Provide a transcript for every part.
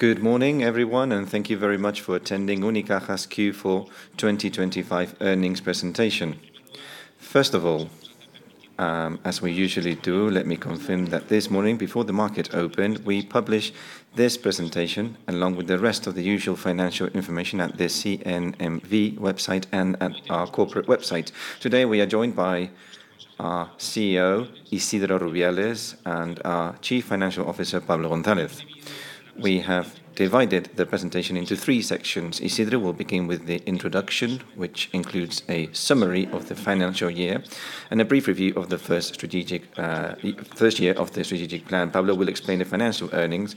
Good morning, everyone, and thank you very much for attending Unicaja's Q4 2025 earnings presentation. First of all, as we usually do, let me confirm that this morning, before the market opened, we published this presentation, along with the rest of the usual financial information, at the CNMV website and at our corporate website. Today, we are joined by our CEO, Isidro Rubiales, and our Chief Financial Officer, Pablo González. We have divided the presentation into three sections. Isidro will begin with the introduction, which includes a summary of the financial year and a brief review of the first strategic, first year of the strategic plan. Pablo will explain the financial earnings,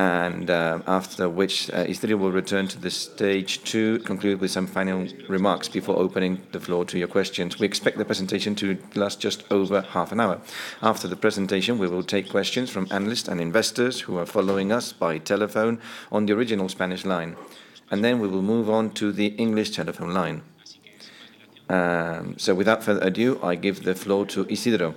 and, after which, Isidro will return to the stage to conclude with some final remarks before opening the floor to your questions. We expect the presentation to last just over half an hour. After the presentation, we will take questions from analysts and investors who are following us by telephone on the original Spanish line, and then we will move on to the English telephone line. So without further ado, I give the floor to Isidro.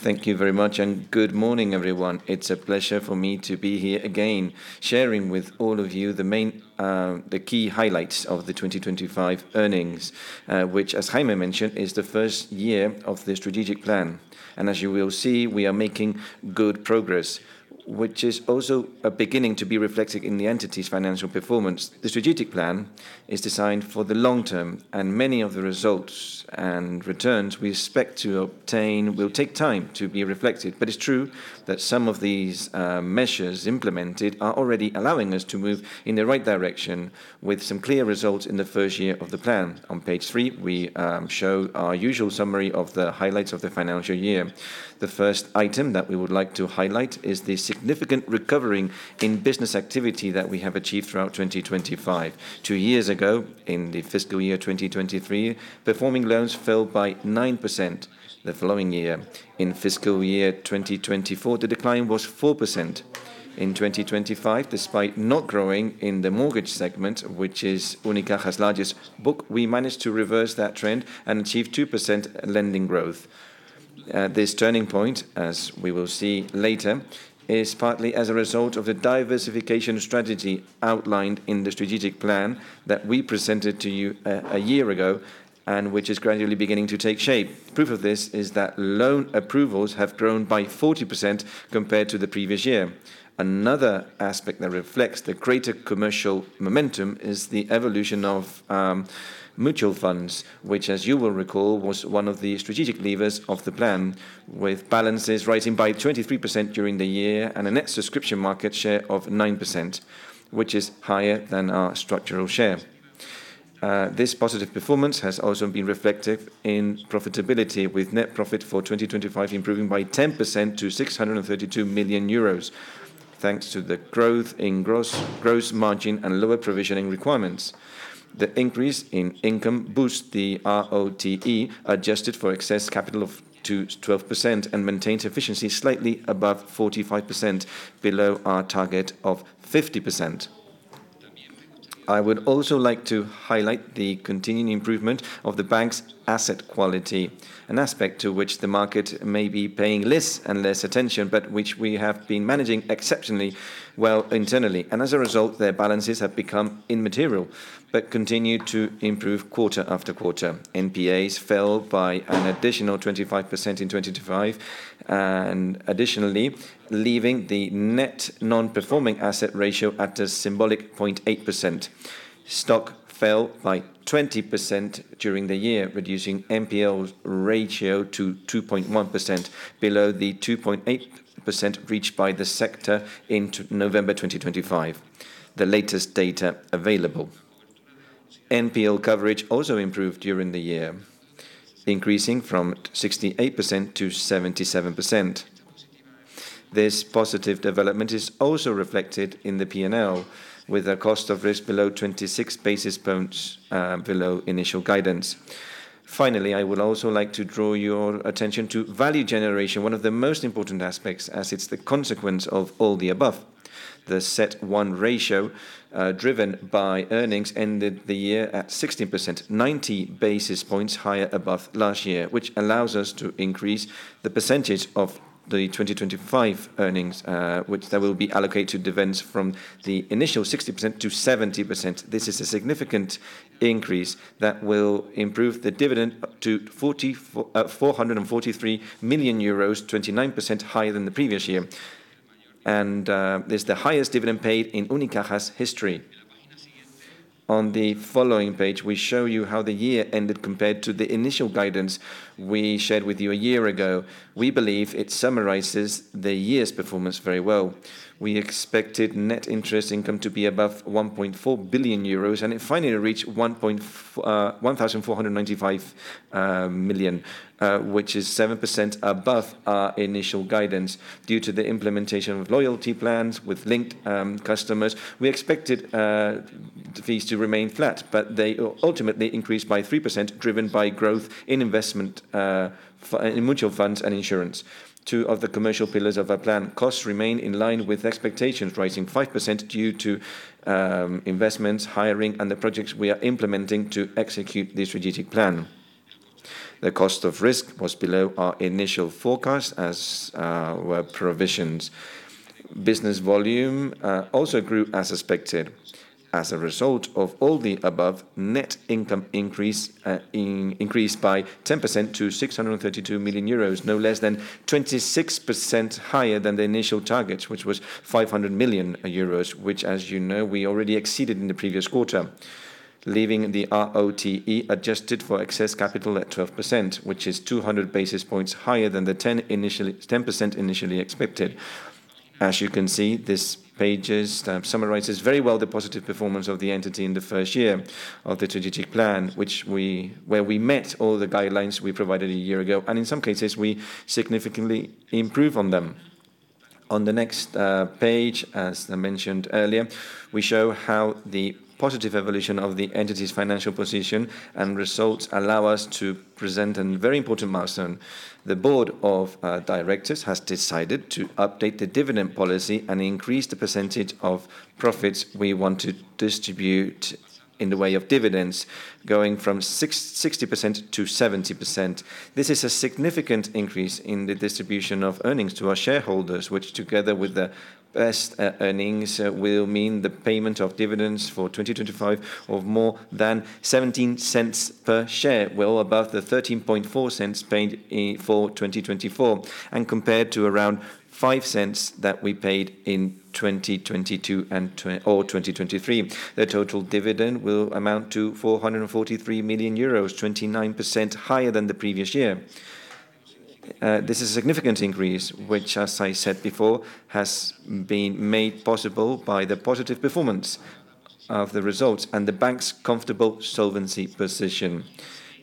Thank you very much, and good morning, everyone. It's a pleasure for me to be here again, sharing with all of you the main, the key highlights of the 2025 earnings, which, as Jaime mentioned, is the first year of the strategic plan. As you will see, we are making good progress, which is also beginning to be reflected in the entity's financial performance. The strategic plan is designed for the long term, and many of the results and returns we expect to obtain will take time to be reflected. But it's true that some of these measures implemented are already allowing us to move in the right direction with some clear results in the first year of the plan. On page 3, we show our usual summary of the highlights of the financial year. The first item that we would like to highlight is the significant recovering in business activity that we have achieved throughout 2025. Two years ago, in the fiscal year 2023, performing loans fell by 9%. The following year, in fiscal year 2024, the decline was 4%. In 2025, despite not growing in the mortgage segment, which is Unicaja's largest book, we managed to reverse that trend and achieve 2% lending growth. This turning point, as we will see later, is partly as a result of the diversification strategy outlined in the strategic plan that we presented to you a year ago, and which is gradually beginning to take shape. Proof of this is that loan approvals have grown by 40% compared to the previous year. Another aspect that reflects the greater commercial momentum is the evolution of mutual funds, which, as you will recall, was one of the strategic levers of the plan, with balances rising by 23% during the year and a net subscription market share of 9%, which is higher than our structural share. This positive performance has also been reflected in profitability, with net profit for 2025 improving by 10% to 632 million euros, thanks to the growth in gross, gross margin and lower provisioning requirements. The increase in income boosts the ROTE, adjusted for excess capital of, to 12%, and maintains efficiency slightly above 45%, below our target of 50%. I would also like to highlight the continuing improvement of the bank's asset quality, an aspect to which the market may be paying less and less attention, but which we have been managing exceptionally well internally, and as a result, their balances have become immaterial but continue to improve quarter after quarter. NPAs fell by an additional 25% in 2025, and additionally, leaving the net non-performing asset ratio at a symbolic 0.8%. Stock fell by 20% during the year, reducing NPL ratio to 2.1%, below the 2.8% reached by the sector in to November 2025, the latest data available. NPL coverage also improved during the year, increasing from 68% to 77%. This positive development is also reflected in the P&L, with a cost of risk below 26 basis points, below initial guidance. Finally, I would also like to draw your attention to value generation, one of the most important aspects, as it's the consequence of all the above. The CET1 ratio, driven by earnings, ended the year at 16%, 90 basis points higher above last year, which allows us to increase the percentage of the 2025 earnings, which that will be allocated dividends from the initial 60% to 70%. This is a significant increase that will improve the dividend up to 443 million euros, 29% higher than the previous year, and, is the highest dividend paid in Unicaja's history. On the following page, we show you how the year ended compared to the initial guidance we shared with you a year ago. We believe it summarizes the year's performance very well. We expected net interest income to be above 1.4 billion euros, and it finally reached one thousand four hundred and ninety-five million, which is 7% above our initial guidance due to the implementation of loyalty plans with linked customers. We expected fees to remain flat, but they ultimately increased by 3%, driven by growth in investment in mutual funds and insurance, two of the commercial pillars of our plan. Costs remain in line with expectations, rising 5% due to investments, hiring, and the projects we are implementing to execute the strategic plan. The cost of risk was below our initial forecast, as were provisions. Business volume also grew as expected. As a result of all the above, net income increased by 10% to 632 million euros, no less than 26% higher than the initial target, which was 500 million euros, which, as you know, we already exceeded in the previous quarter, leaving the ROTE adjusted for excess capital at 12%, which is 200 basis points higher than the 10% initially expected. As you can see, this page summarizes very well the positive performance of the entity in the first year of the strategic plan, where we met all the guidelines we provided a year ago, and in some cases, we significantly improve on them. On the next page, as I mentioned earlier, we show how the positive evolution of the entity's financial position and results allow us to present a very important milestone. The board of directors has decided to update the dividend policy and increase the percentage of profits we want to distribute in the way of dividends, going from 60% to 70%. This is a significant increase in the distribution of earnings to our shareholders, which, together with the best earnings, will mean the payment of dividends for 2025 of more than 0.17 per share, well above the 0.134 paid for 2024, and compared to around 0.05 that we paid in 2022 and or 2023. The total dividend will amount to 443 million euros, 29% higher than the previous year. This is a significant increase, which, as I said before, has been made possible by the positive performance of the results and the bank's comfortable solvency position.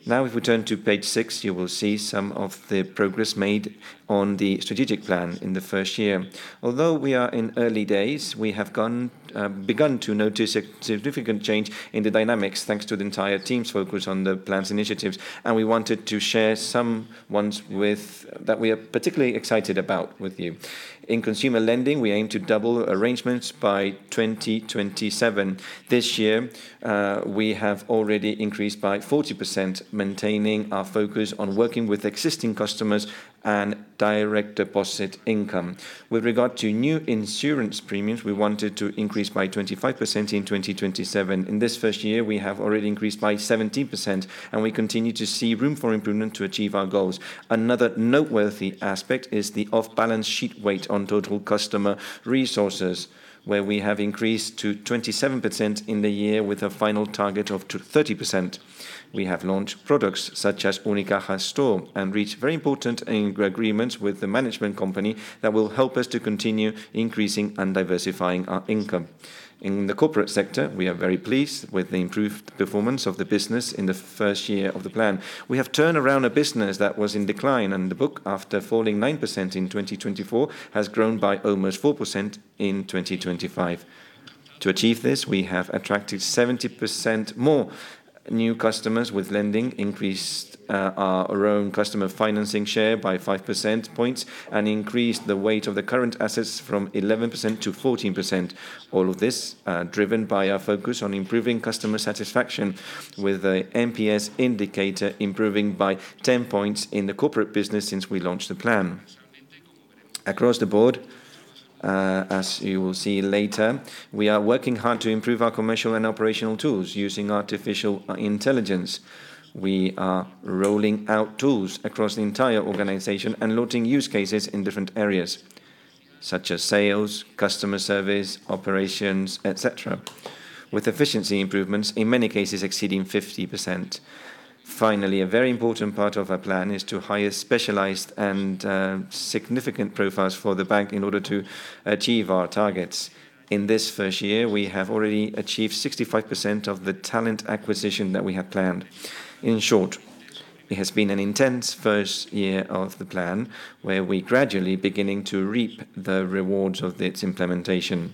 Now, if we turn to page six, you will see some of the progress made on the strategic plan in the first year. Although we are in early days, we have begun to notice a significant change in the dynamics, thanks to the entire team's focus on the plan's initiatives, and we wanted to share some that we are particularly excited about with you. In consumer lending, we aim to double arrangements by 2027. This year, we have already increased by 40%, maintaining our focus on working with existing customers and direct deposit income. With regard to new insurance premiums, we wanted to increase by 25% in 2027. In this first year, we have already increased by 17%, and we continue to see room for improvement to achieve our goals. Another noteworthy aspect is the off-balance sheet weight on total customer resources, where we have increased to 27% in the year, with a final target of 30%. We have launched products such as Unicaja Store, and reached very important agreements with the management company that will help us to continue increasing and diversifying our income. In the corporate sector, we are very pleased with the improved performance of the business in the first year of the plan. We have turned around a business that was in decline, and the book, after falling 9% in 2024, has grown by almost 4% in 2025. To achieve this, we have attracted 70% more new customers with lending, increased our own customer financing share by 5 percentage points, and increased the weight of the current assets from 11% to 14%. All of this driven by our focus on improving customer satisfaction with the NPS indicator, improving by 10 points in the corporate business since we launched the plan. Across the board, as you will see later, we are working hard to improve our commercial and operational tools using artificial intelligence. We are rolling out tools across the entire organization and loading use cases in different areas, such as sales, customer service, operations, et cetera, with efficiency improvements in many cases exceeding 50%. Finally, a very important part of our plan is to hire specialized and significant profiles for the bank in order to achieve our targets. In this first year, we have already achieved 65% of the talent acquisition that we had planned. In short, it has been an intense first year of the plan, where we gradually beginning to reap the rewards of its implementation.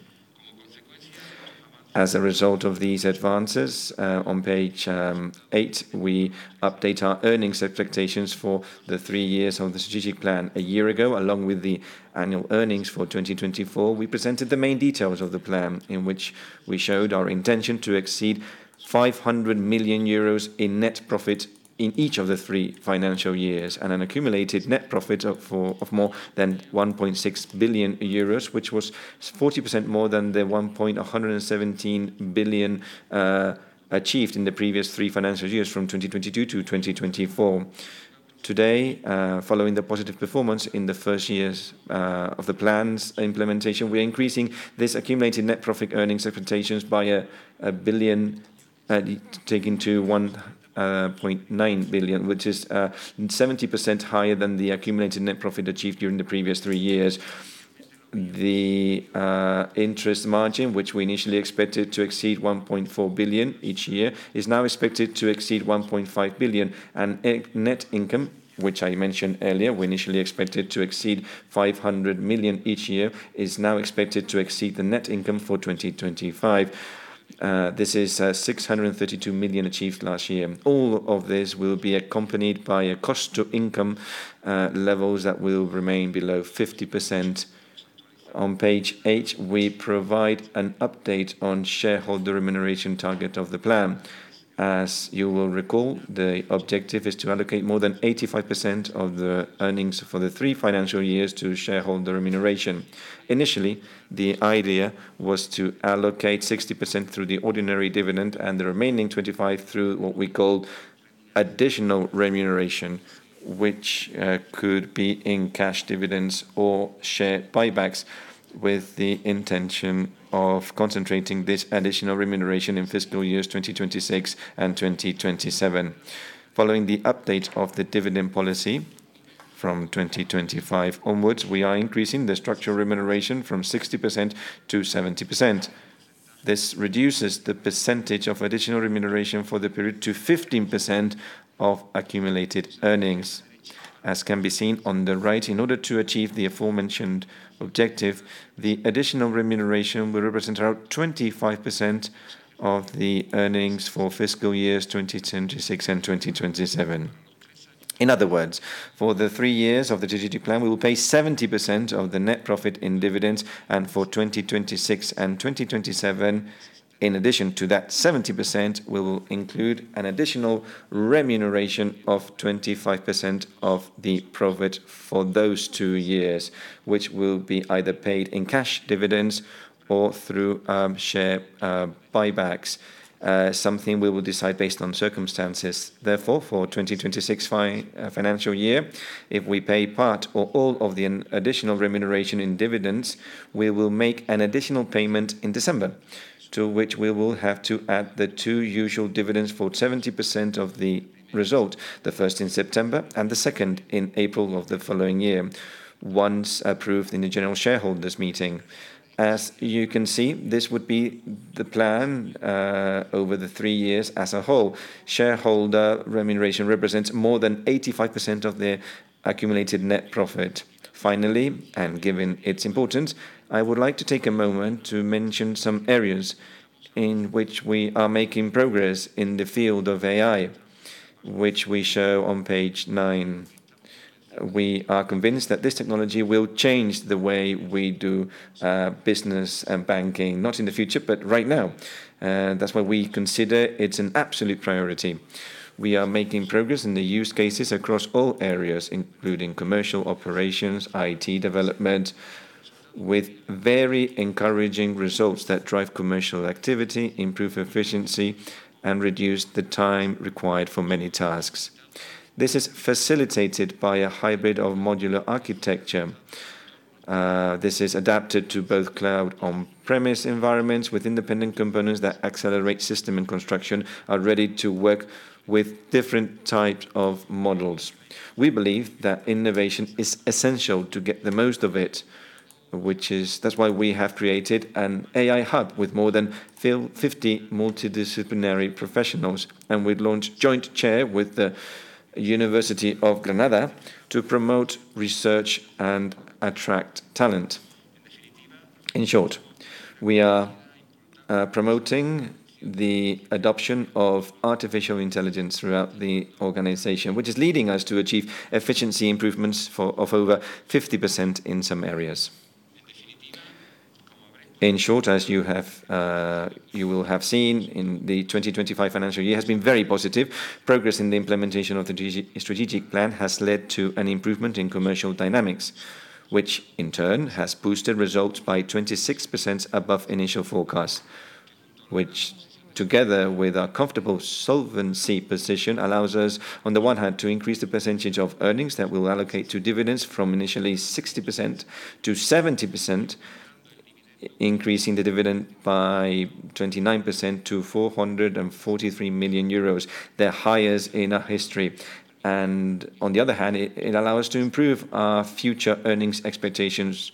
As a result of these advances, on page 8, we update our earnings expectations for the three years of the strategic plan. A year ago, along with the annual earnings for 2024, we presented the main details of the plan, in which we showed our intention to exceed 500 million euros in net profit in each of the three financial years, and an accumulated net profit of more than 1.6 billion euros, which was 40% more than the 1.117 billion achieved in the previous three financial years, from 2022-2024. Today, following the positive performance in the first years of the plan's implementation, we're increasing this accumulated net profit earnings expectations by 1 billion, taking to 1.9 billion, which is 70% higher than the accumulated net profit achieved during the previous three years. The interest margin, which we initially expected to exceed 1.4 billion each year, is now expected to exceed 1.5 billion, and a net income, which I mentioned earlier, we initially expected to exceed 500 million each year, is now expected to exceed the net income for 2025. This is 632 million achieved last year. All of this will be accompanied by a cost to income levels that will remain below 50%... On page eight, we provide an update on shareholder remuneration target of the plan. As you will recall, the objective is to allocate more than 85% of the earnings for the three financial years to shareholder remuneration. Initially, the idea was to allocate 60% through the ordinary dividend and the remaining 25 through what we call additional remuneration, which could be in cash dividends or share buybacks, with the intention of concentrating this additional remuneration in fiscal years 2026 and 2027. Following the update of the dividend policy from 2025 onwards, we are increasing the structural remuneration from 60% to 70%. This reduces the percentage of additional remuneration for the period to 15% of accumulated earnings. As can be seen on the right, in order to achieve the aforementioned objective, the additional remuneration will represent around 25% of the earnings for fiscal years 2026 and 2027. In other words, for the three years of the strategic plan, we will pay 70% of the net profit in dividends, and for 2026 and 2027, in addition to that 70%, we will include an additional remuneration of 25% of the profit for those two years, which will be either paid in cash dividends or through share buybacks, something we will decide based on circumstances. Therefore, for 2026 financial year, if we pay part or all of the additional remuneration in dividends, we will make an additional payment in December, to which we will have to add the two usual dividends for 70% of the result, the first in September and the second in April of the following year, once approved in the general shareholders meeting. As you can see, this would be the plan over the three years as a whole. Shareholder remuneration represents more than 85% of the accumulated net profit. Finally, and given its importance, I would like to take a moment to mention some areas in which we are making progress in the field of AI, which we show on page 9. We are convinced that this technology will change the way we do business and banking, not in the future, but right now. That's why we consider it an absolute priority. We are making progress in the use cases across all areas, including commercial operations, IT development, with very encouraging results that drive commercial activity, improve efficiency, and reduce the time required for many tasks. This is facilitated by a hybrid of modular architecture. This is adapted to both cloud on-premise environments, with independent components that accelerate system and construction, are ready to work with different type of models. We believe that innovation is essential to get the most of it. That's why we have created an AI hub with more than 50 multidisciplinary professionals, and we've launched joint chair with the University of Granada to promote research and attract talent. In short, we are promoting the adoption of artificial intelligence throughout the organization, which is leading us to achieve efficiency improvements of over 50% in some areas. In short, as you have, you will have seen, in the 2025 financial year has been very positive. Progress in the implementation of the digital strategic plan has led to an improvement in commercial dynamics, which in turn has boosted results by 26% above initial forecast, which, together with our comfortable solvency position, allows us, on the one hand, to increase the percentage of earnings that we'll allocate to dividends from initially 60% to 70%, increasing the dividend by 29% to 443 million euros, the highest in our history. And on the other hand, it allows us to improve our future earnings expectations.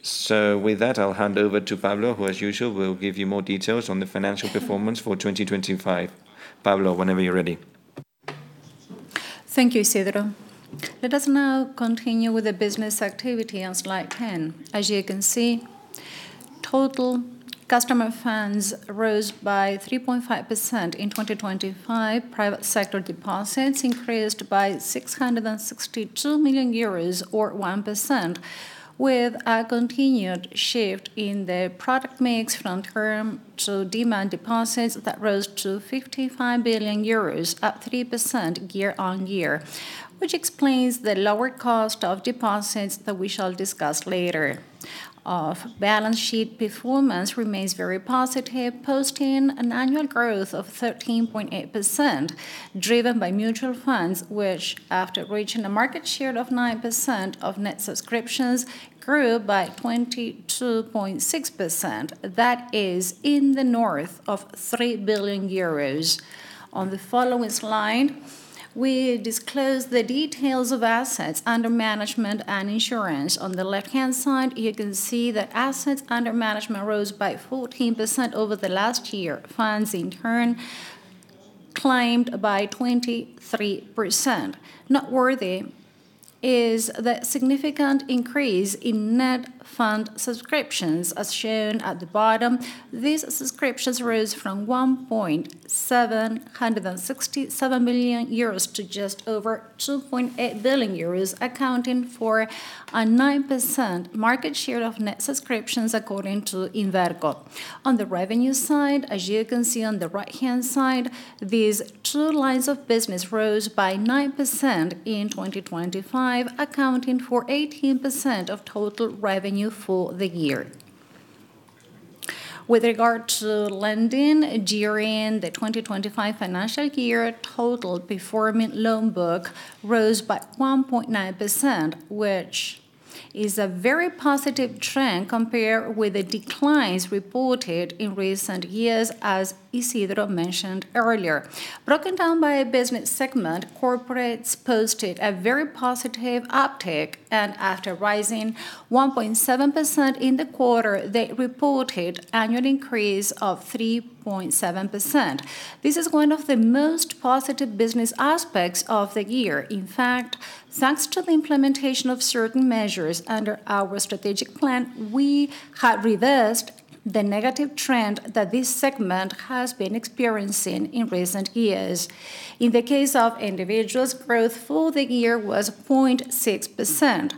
So with that, I'll hand over to Pablo, who, as usual, will give you more details on the financial performance for 2025. Pablo, whenever you're ready. Thank you, Isidro. Let us now continue with the business activity on slide 10. As you can see, total customer funds rose by 3.5% in 2025. Private sector deposits increased by 662 million euros or 1%, with a continued shift in the product mix from term to demand deposits that rose to 55 billion euros, up 3% year-on-year, which explains the lower cost of deposits that we shall discuss later. Balance sheet performance remains very positive, posting an annual growth of 13.8%, driven by mutual funds, which, after reaching a market share of 9% of net subscriptions, grew by 22.6%. That is in the north of 3 billion euros. On the following slide, we disclose the details of assets under management and insurance. On the left-hand side, you can see that assets under management rose by 14% over the last year. Funds, in turn, climbed by 23%. Noteworthy is the significant increase in net fund subscriptions, as shown at the bottom. These subscriptions rose from 1,767 million euros to just over 2.8 billion euros, accounting for a 9% market share of net subscriptions, according to Inverco. On the revenue side, as you can see on the right-hand side, these two lines of business rose by 9% in 2025, accounting for 18% of total revenue for the year. With regard to lending, during the 2025 financial year, total performing loan book rose by 1.9%, which is a very positive trend compared with the declines reported in recent years, as Isidro mentioned earlier. Broken down by a business segment, corporates posted a very positive uptick, and after rising 1.7% in the quarter, they reported annual increase of 3.7%. This is one of the most positive business aspects of the year. In fact, thanks to the implementation of certain measures under our strategic plan, we have reversed the negative trend that this segment has been experiencing in recent years. In the case of individuals, growth for the year was 0.6%.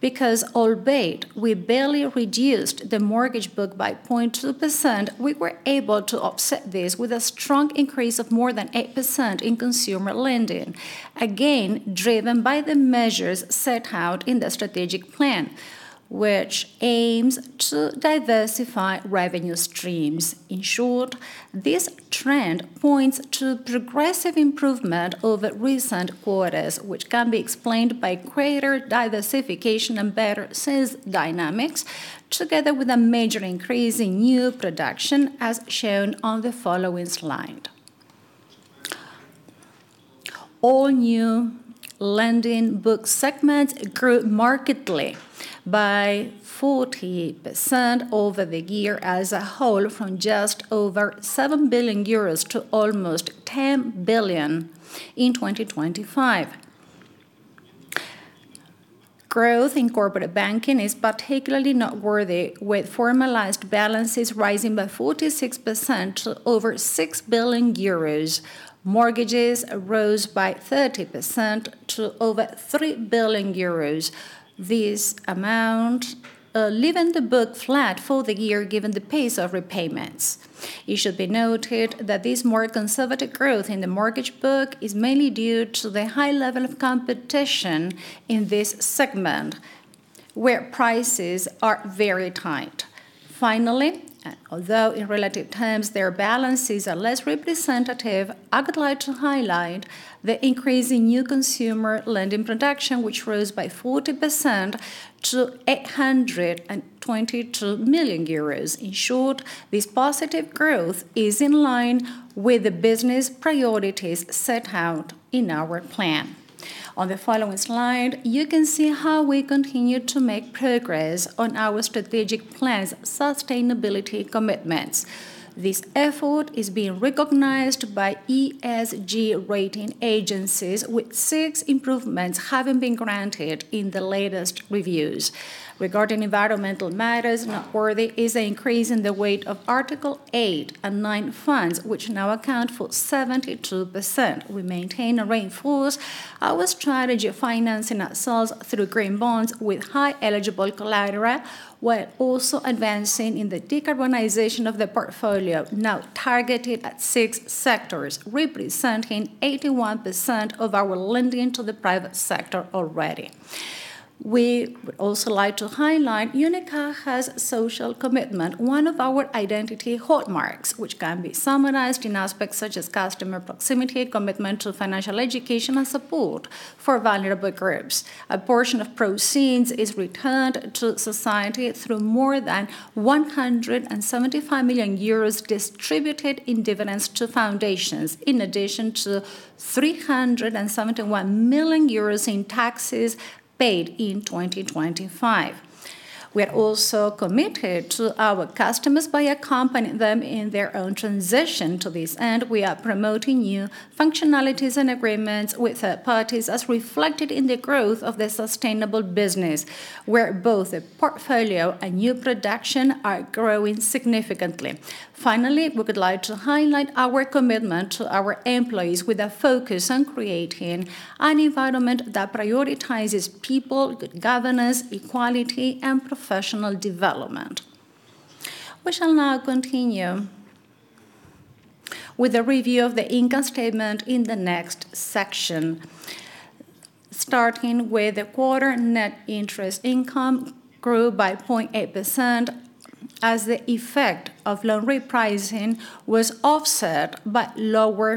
Because albeit we barely reduced the mortgage book by 0.2%, we were able to offset this with a strong increase of more than 8% in consumer lending, again, driven by the measures set out in the strategic plan, which aims to diversify revenue streams. In short, this trend points to progressive improvement over recent quarters, which can be explained by greater diversification and better sales dynamics, together with a major increase in new production, as shown on the following slide. All new lending book segments grew markedly by 40% over the year as a whole, from just over 7 billion euros to almost 10 billion in 2025. Growth in corporate banking is particularly noteworthy, with formalized balances rising by 46% to over 6 billion euros. Mortgages rose by 30% to over 3 billion euros. This amount, leaving the book flat for the year, given the pace of repayments. It should be noted that this more conservative growth in the mortgage book is mainly due to the high level of competition in this segment, where prices are very tight. Finally, although in relative terms, their balances are less representative, I would like to highlight the increase in new consumer lending production, which rose by 40% to 822 million euros. In short, this positive growth is in line with the business priorities set out in our plan. On the following slide, you can see how we continue to make progress on our strategic plan's sustainability commitments. This effort is being recognized by ESG rating agencies, with six improvements having been granted in the latest reviews. Regarding environmental matters, noteworthy is an increase in the weight of Article 8 and 9 funds, which now account for 72%. We maintain and reinforce our strategy of financing ourselves through green bonds with high eligible collateral, while also advancing in the decarbonization of the portfolio, now targeted at six sectors, representing 81% of our lending to the private sector already. We would also like to highlight Unicaja's social commitment, one of our identity hallmarks, which can be summarized in aspects such as customer proximity, commitment to financial education, and support for vulnerable groups. A portion of proceeds is returned to society through more than 175 million euros distributed in dividends to foundations, in addition to 371 million euros in taxes paid in 2025. We are also committed to our customers by accompanying them in their own transition. To this end, we are promoting new functionalities and agreements with third parties, as reflected in the growth of the sustainable business, where both the portfolio and new production are growing significantly. Finally, we would like to highlight our commitment to our employees with a focus on creating an environment that prioritizes people, good governance, equality, and professional development. We shall now continue with a review of the income statement in the next section. Starting with the quarter, net interest income grew by 0.8%, as the effect of loan repricing was offset by lower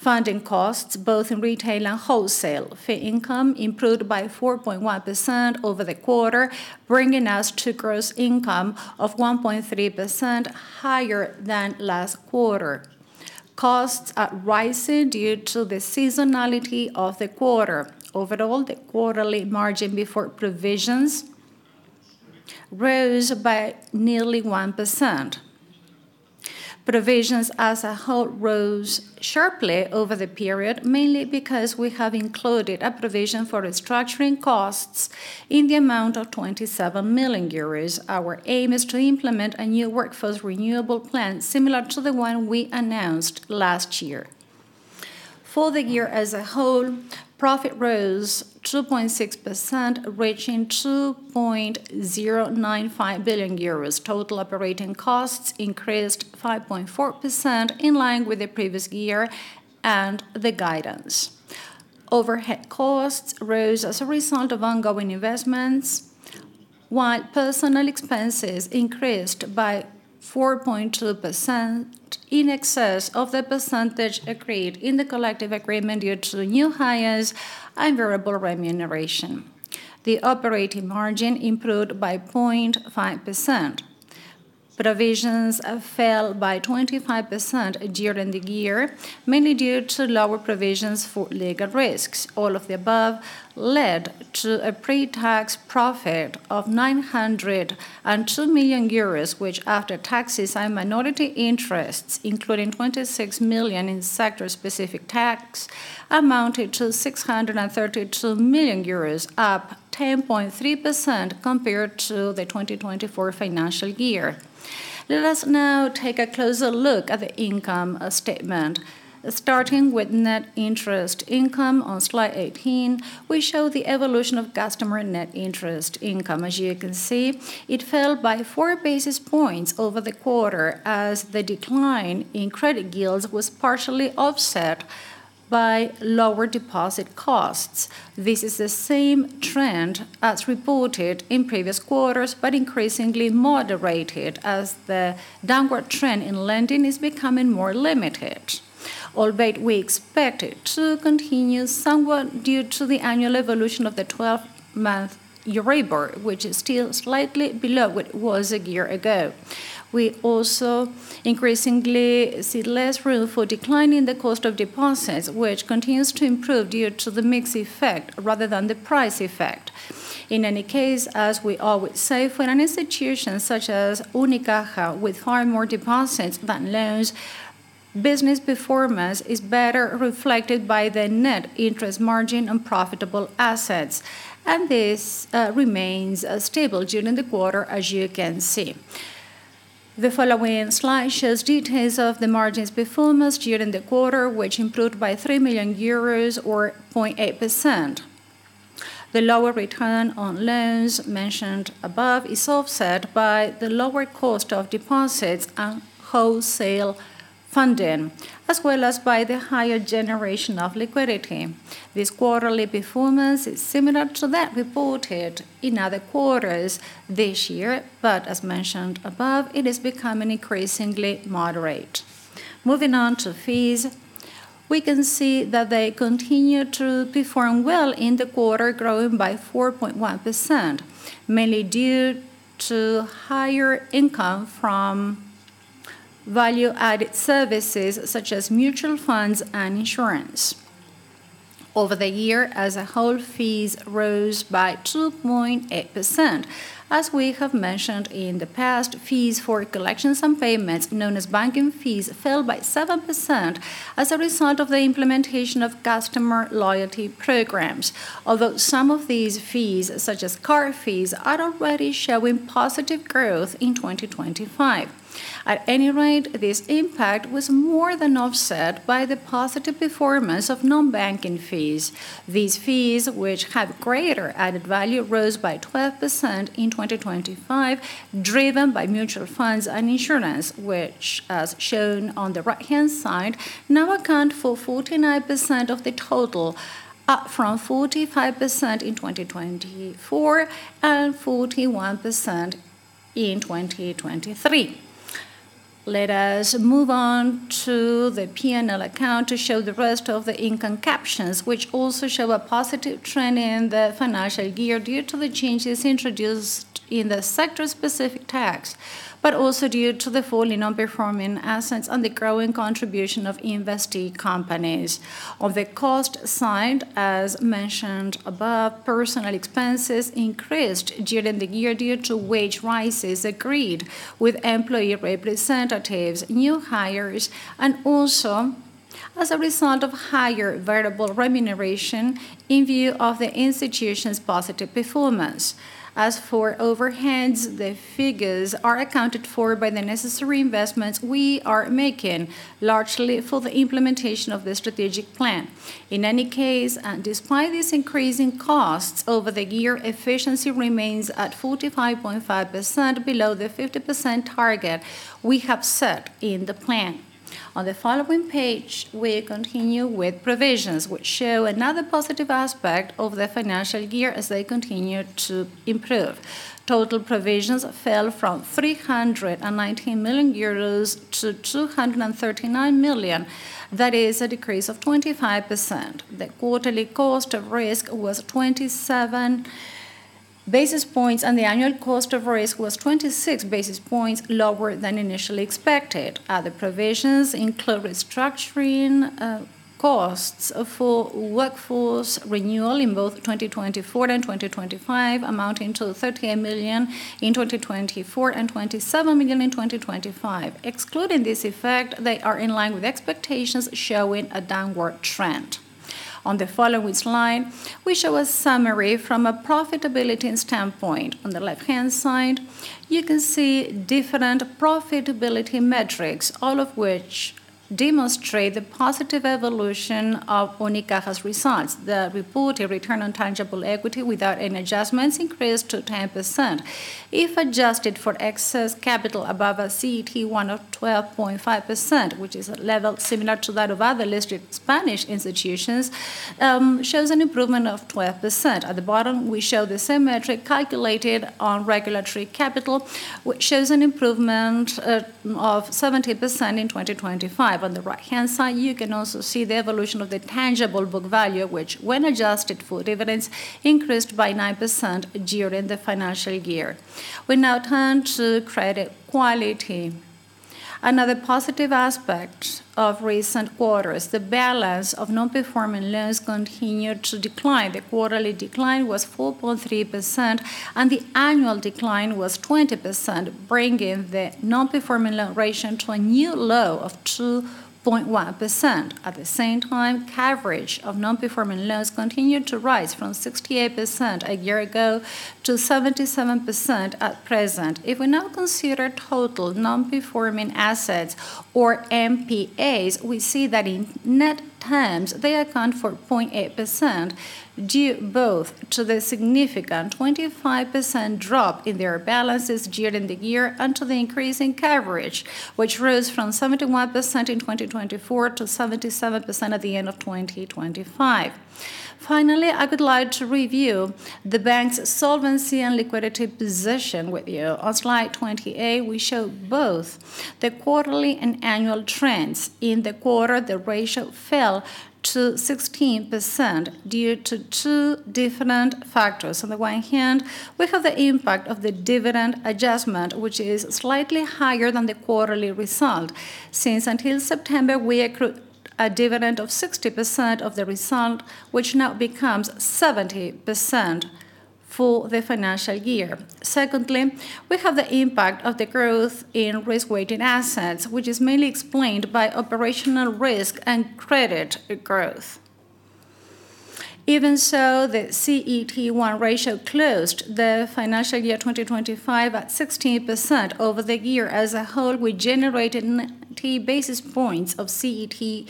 funding costs, both in retail and wholesale. Fee income improved by 4.1% over the quarter, bringing us to gross income of 1.3% higher than last quarter. Costs are rising due to the seasonality of the quarter. Overall, the quarterly margin before provisions rose by nearly 1%. Provisions as a whole rose sharply over the period, mainly because we have included a provision for restructuring costs in the amount of 27 million euros. Our aim is to implement a new workforce renewal plan, similar to the one we announced last year. For the year as a whole, profit rose 2.6%, reaching 2.095 billion euros. Total operating costs increased 5.4%, in line with the previous year and the guidance. Overhead costs rose as a result of ongoing investments, while personnel expenses increased by 4.2% in excess of the percentage agreed in the collective agreement due to new hires and variable remuneration. The operating margin improved by 0.5%. Provisions fell by 25% during the year, mainly due to lower provisions for legal risks. All of the above led to a pre-tax profit of 902 million euros, which, after taxes and minority interests, including 26 million in sector-specific tax, amounted to 632 million euros, up 10.3% compared to the 2024 financial year. Let us now take a closer look at the income statement. Starting with net interest income on slide 18, we show the evolution of customer net interest income. As you can see, it fell by 4 basis points over the quarter as the decline in credit yields was partially offset by lower deposit costs. This is the same trend as reported in previous quarters, but increasingly moderated as the downward trend in lending is becoming more limited. Albeit we expect it to continue somewhat due to the annual evolution of the twelve-month Euribor, which is still slightly below what it was a year ago. We also increasingly see less room for declining the cost of deposits, which continues to improve due to the mix effect rather than the price effect. In any case, as we always say, for an institution such as Unicaja, with far more deposits than loans, business performance is better reflected by the net interest margin on profitable assets, and this remains stable during the quarter, as you can see. The following slide shows details of the margin's performance during the quarter, which improved by 3 million euros or 0.8%. The lower return on loans mentioned above is offset by the lower cost of deposits and wholesale funding, as well as by the higher generation of liquidity. This quarterly performance is similar to that reported in other quarters this year, but as mentioned above, it is becoming increasingly moderate. Moving on to fees, we can see that they continued to perform well in the quarter, growing by 4.1%, mainly due to higher income from value-added services such as mutual funds and insurance. Over the year as a whole, fees rose by 2.8%. As we have mentioned in the past, fees for collections and payments, known as banking fees, fell by 7% as a result of the implementation of customer loyalty programs. Although some of these fees, such as card fees, are already showing positive growth in 2025. At any rate, this impact was more than offset by the positive performance of non-banking fees. These fees, which have greater added value, rose by 12% in 2025, driven by mutual funds and insurance, which, as shown on the right-hand side, now account for 49% of the total, up from 45% in 2024 and 41% in 2023. Let us move on to the P&L account to show the rest of the income captions, which also show a positive trend in the financial year due to the changes introduced in the sector-specific tax, but also due to the fall in non-performing assets and the growing contribution of invested companies. On the cost side, as mentioned above, personnel expenses increased during the year due to wage rises agreed with employee representatives, new hires, and also as a result of higher variable remuneration in view of the institution's positive performance. As for overheads, the figures are accounted for by the necessary investments we are making, largely for the implementation of the strategic plan. In any case, and despite these increasing costs, over the year, efficiency remains at 45.5%, below the 50% target we have set in the plan. On the following page, we continue with provisions, which show another positive aspect of the financial year as they continue to improve. Total provisions fell from 319 million euros to 239 million. That is a decrease of 25%. The quarterly cost of risk was 27 basis points, and the annual cost of risk was 26 basis points lower than initially expected. Other provisions include restructuring costs for workforce renewal in both 2024 and 2025, amounting to 38 million in 2024 and 27 million in 2025. Excluding this effect, they are in line with expectations, showing a downward trend. On the following slide, we show a summary from a profitability standpoint. On the left-hand side, you can see different profitability metrics, all of which demonstrate the positive evolution of Unicaja's results. The reported return on tangible equity without any adjustments increased to 10%. If adjusted for excess capital above our CET1 of 12.5%, which is a level similar to that of other listed Spanish institutions, shows an improvement of 12%. At the bottom, we show the same metric calculated on regulatory capital, which shows an improvement of 17% in 2025. On the right-hand side, you can also see the evolution of the tangible book value, which, when adjusted for dividends, increased by 9% during the financial year. We now turn to credit quality. Another positive aspect of recent quarters, the balance of non-performing loans continued to decline. The quarterly decline was 4.3%, and the annual decline was 20%, bringing the non-performing loan ratio to a new low of 2.1%. At the same time, coverage of non-performing loans continued to rise from 68% a year ago to 77% at present. If we now consider total non-performing assets, or NPAs, we see that in net terms, they account for 0.8%, due both to the significant 25% drop in their balances during the year and to the increase in coverage, which rose from 71% in 2024 to 77% at the end of 2025. Finally, I would like to review the bank's solvency and liquidity position with you. On slide 28, we show both the quarterly and annual trends. In the quarter, the ratio fell to 16% due to two different factors. On the one hand, we have the impact of the dividend adjustment, which is slightly higher than the quarterly result. Since until September, we accrued a dividend of 60% of the result, which now becomes 70% for the financial year. Secondly, we have the impact of the growth in risk-weighted assets, which is mainly explained by operational risk and credit growth. Even so, the CET1 ratio closed the financial year 2025 at 16% over the year. As a whole, we generated 90 basis points of CET1.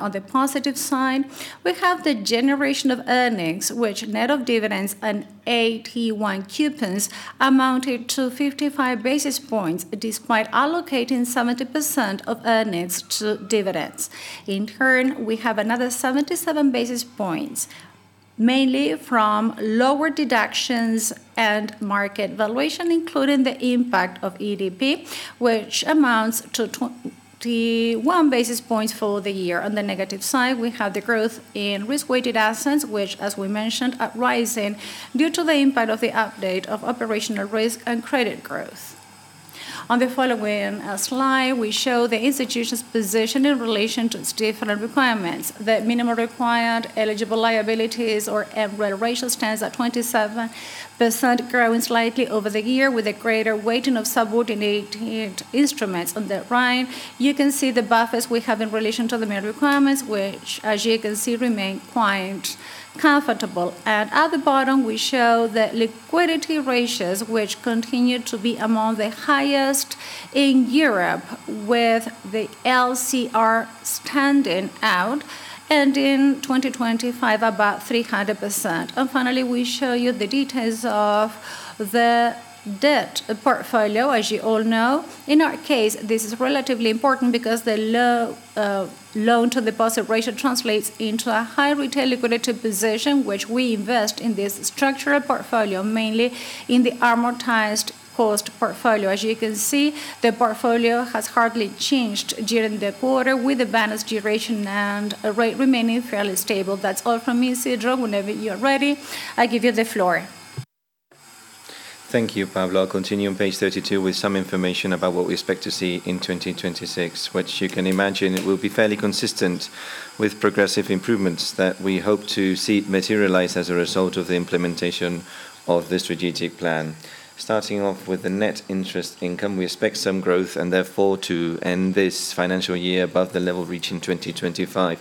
On the positive side, we have the generation of earnings, which net of dividends and AT1 coupons, amounted to 55 basis points, despite allocating 70% of earnings to dividends. In turn, we have another 77 basis points, mainly from lower deductions and market valuation, including the impact of EDP, which amounts to 21 basis points for the year. On the negative side, we have the growth in risk-weighted assets, which, as we mentioned, are rising due to the impact of the update of operational risk and credit growth. On the following slide, we show the institution's position in relation to its different requirements. The minimum required eligible liabilities or MREL ratio stands at 27%, growing slightly over the year, with a greater weighting of subordinated instruments. On the right, you can see the buffers we have in relation to the main requirements, which, as you can see, remain quite comfortable. At the bottom, we show the liquidity ratios, which continue to be among the highest in Europe, with the LCR standing out, and in 2025, about 300%. And finally, we show you the details of the debt portfolio. As you all know, in our case, this is relatively important because the low loan-to-deposit ratio translates into a high retail liquidity position, which we invest in this structural portfolio, mainly in the amortized cost portfolio. As you can see, the portfolio has hardly changed during the quarter, with the balance, duration, and rate remaining fairly stable. That's all from me. Isidro, whenever you're ready, I give you the floor. Thank you, Pablo. I'll continue on page 32 with some information about what we expect to see in 2026, which you can imagine it will be fairly consistent with progressive improvements that we hope to see materialize as a result of the implementation of the strategic plan. Starting off with the net interest income, we expect some growth, and therefore, to end this financial year above the level reached in 2025.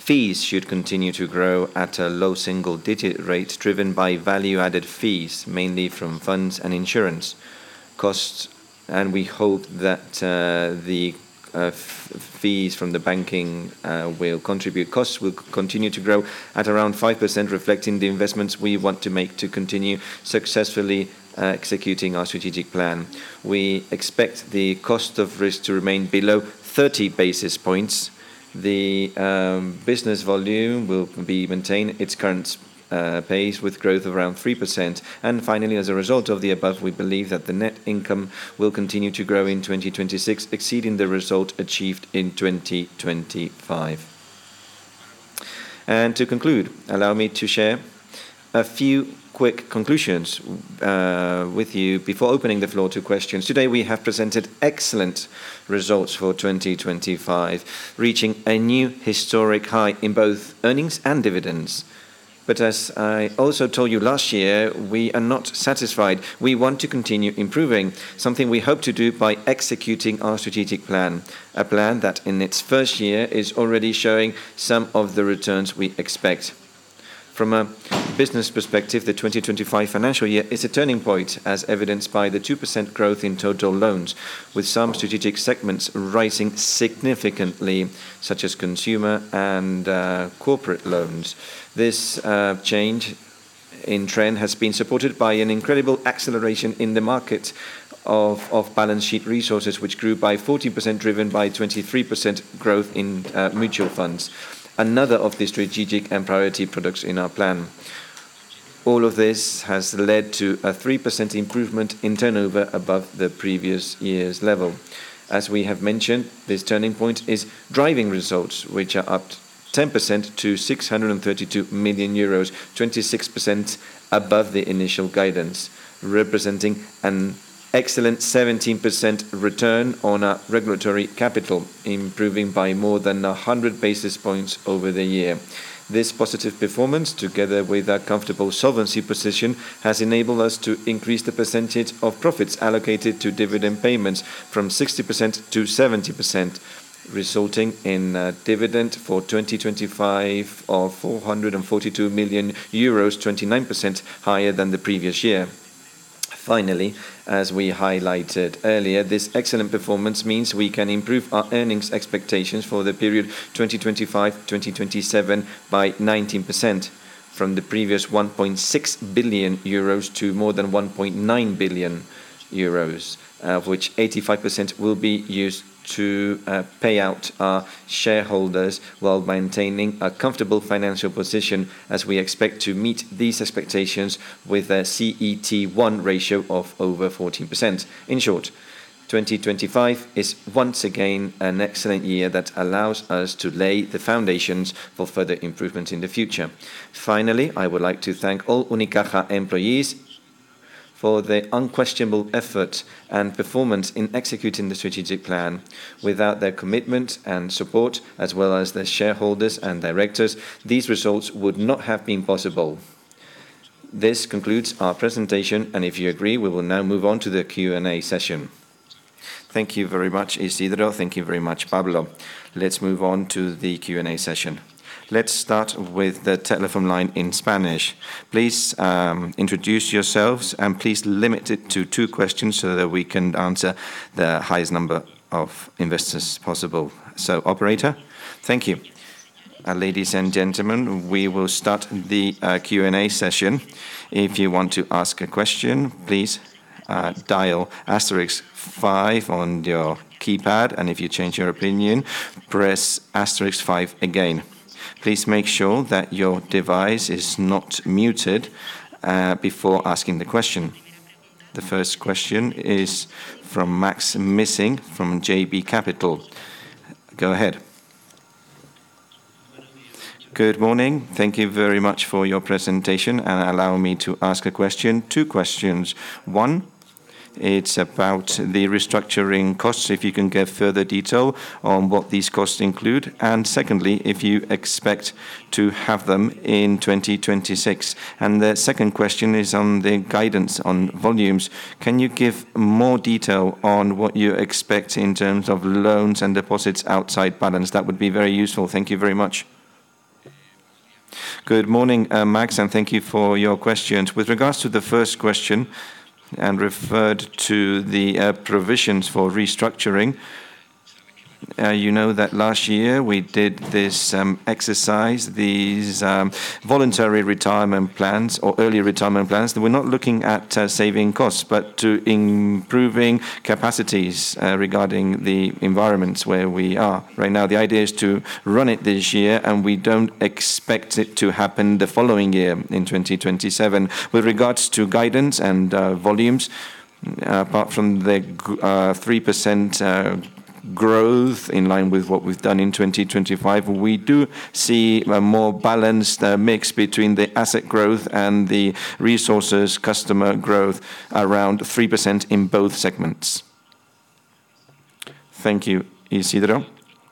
Fees should continue to grow at a low single-digit rate, driven by value-added fees, mainly from funds and insurance. Costs, and we hope that fees from the banking will contribute. Costs will continue to grow at around 5%, reflecting the investments we want to make to continue successfully executing our strategic plan. We expect the cost of risk to remain below 30 basis points. The business volume will be maintain its current pace, with growth of around 3%. And finally, as a result of the above, we believe that the net income will continue to grow in 2026, exceeding the result achieved in 2025... And to conclude, allow me to share a few quick conclusions with you before opening the floor to questions. Today, we have presented excellent results for 2025, reaching a new historic high in both earnings and dividends. But as I also told you last year, we are not satisfied. We want to continue improving, something we hope to do by executing our strategic plan, a plan that, in its first year, is already showing some of the returns we expect. From a business perspective, the 2025 financial year is a turning point, as evidenced by the 2% growth in total loans, with some strategic segments rising significantly, such as consumer and corporate loans. This change in trend has been supported by an incredible acceleration in the market of balance sheet resources, which grew by 40%, driven by 23% growth in mutual funds, another of the strategic and priority products in our plan. All of this has led to a 3% improvement in turnover above the previous year's level. As we have mentioned, this turning point is driving results, which are up 10% to 632 million euros, 26% above the initial guidance, representing an excellent 17% return on our regulatory capital, improving by more than 100 basis points over the year. This positive performance, together with a comfortable solvency position, has enabled us to increase the percentage of profits allocated to dividend payments from 60% to 70%, resulting in a dividend for 2025 of 442 million euros, 29% higher than the previous year. Finally, as we highlighted earlier, this excellent performance means we can improve our earnings expectations for the period 2025-2027 by 19%, from the previous 1.6 billion euros to more than 1.9 billion euros, of which 85% will be used to pay out our shareholders while maintaining a comfortable financial position, as we expect to meet these expectations with a CET1 ratio of over 14%. In short, 2025 is once again an excellent year that allows us to lay the foundations for further improvement in the future. Finally, I would like to thank all Unicaja employees for their unquestionable effort and performance in executing the strategic plan. Without their commitment and support, as well as the shareholders and directors, these results would not have been possible. This concludes our presentation, and if you agree, we will now move on to the Q&A session. Thank you very much, Isidro. Thank you very much, Pablo. Let's move on to the Q&A session. Let's start with the telephone line in Spanish. Please, introduce yourselves, and please limit it to two questions so that we can answer the highest number of investors possible. So, operator? Thank you. Ladies and gentlemen, we will start the Q&A session. If you want to ask a question, please, dial asterisk five on your keypad, and if you change your opinion, press asterisk five again. Please make sure that your device is not muted before asking the question. The first question is from Maksym Mishyn from JB Capital Markets. Go ahead. Good morning. Thank you very much for your presentation, and allow me to ask a question, two questions. One, it's about the restructuring costs, if you can give further detail on what these costs include, and secondly, if you expect to have them in 2026. And the second question is on the guidance on volumes. Can you give more detail on what you expect in terms of loans and deposits off-balance sheet? That would be very useful. Thank you very much. Good morning, Max, and thank you for your questions. With regards to the first question and referred to the provisions for restructuring, you know that last year we did this exercise, these voluntary retirement plans or early retirement plans, that we're not looking at saving costs, but to improving capacities regarding the environments where we are. Right now, the idea is to run it this year, and we don't expect it to happen the following year, in 2027. With regards to guidance and volumes, apart from the 3% growth in line with what we've done in 2025, we do see a more balanced mix between the asset growth and the resources customer growth, around 3% in both segments. Thank you, Isidro.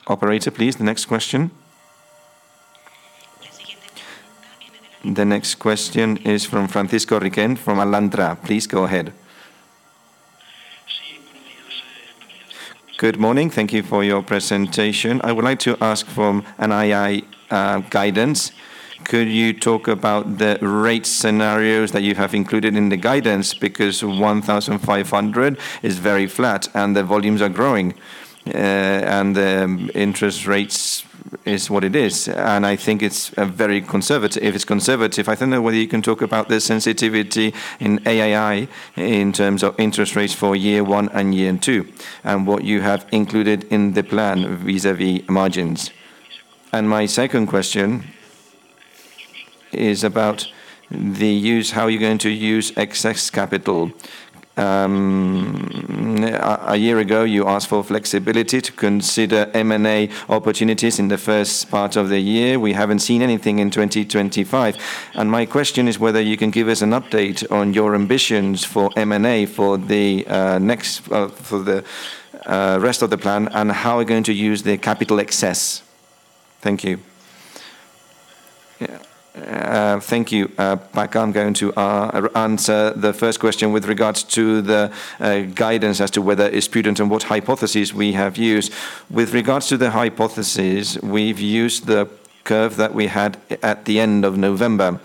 Operator, please, the next question. The next question is from Francisco Riquel from Alantra. Please go ahead. Good morning. Thank you for your presentation. I would like to ask from NII guidance. Could you talk about the rate scenarios that you have included in the guidance? Because 1,500 is very flat, and the volumes are growing, and the interest rates is what it is, and I think it's very conservative. If it's conservative, I don't know whether you can talk about the sensitivity in NII in terms of interest rates for year one and year two, and what you have included in the plan vis-à-vis margins. And my second question is about the use, how are you going to use excess capital? A year ago, you asked for flexibility to consider M&A opportunities in the first part of the year. We haven't seen anything in 2025, and my question is whether you can give us an update on your ambitions for M&A for the next, for the rest of the plan, and how are we going to use the capital excess? Thank you. Yeah. Thank you. Paco, I'm going to answer the first question with regards to the guidance as to whether it's prudent and what hypotheses we have used. With regards to the hypotheses, we've used the curve that we had at the end of November,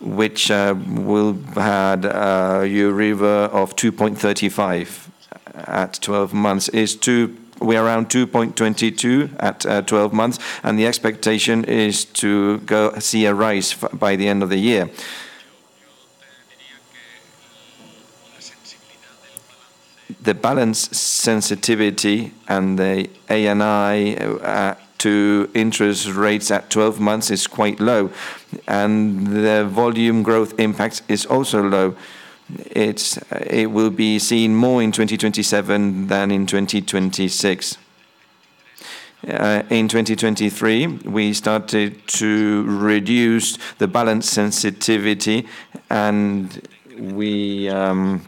which will had Euribor of 2.35 at 12 months is to... We're around 2.22 at 12 months, and the expectation is to go-- see a rise f- by the end of the year. The balance sensitivity and the NII to interest rates at 12 months is quite low, and the volume growth impact is also low. It's, it will be seen more in 2027 than in 2026. In 2023, we started to reduce the balance sensitivity, and we, and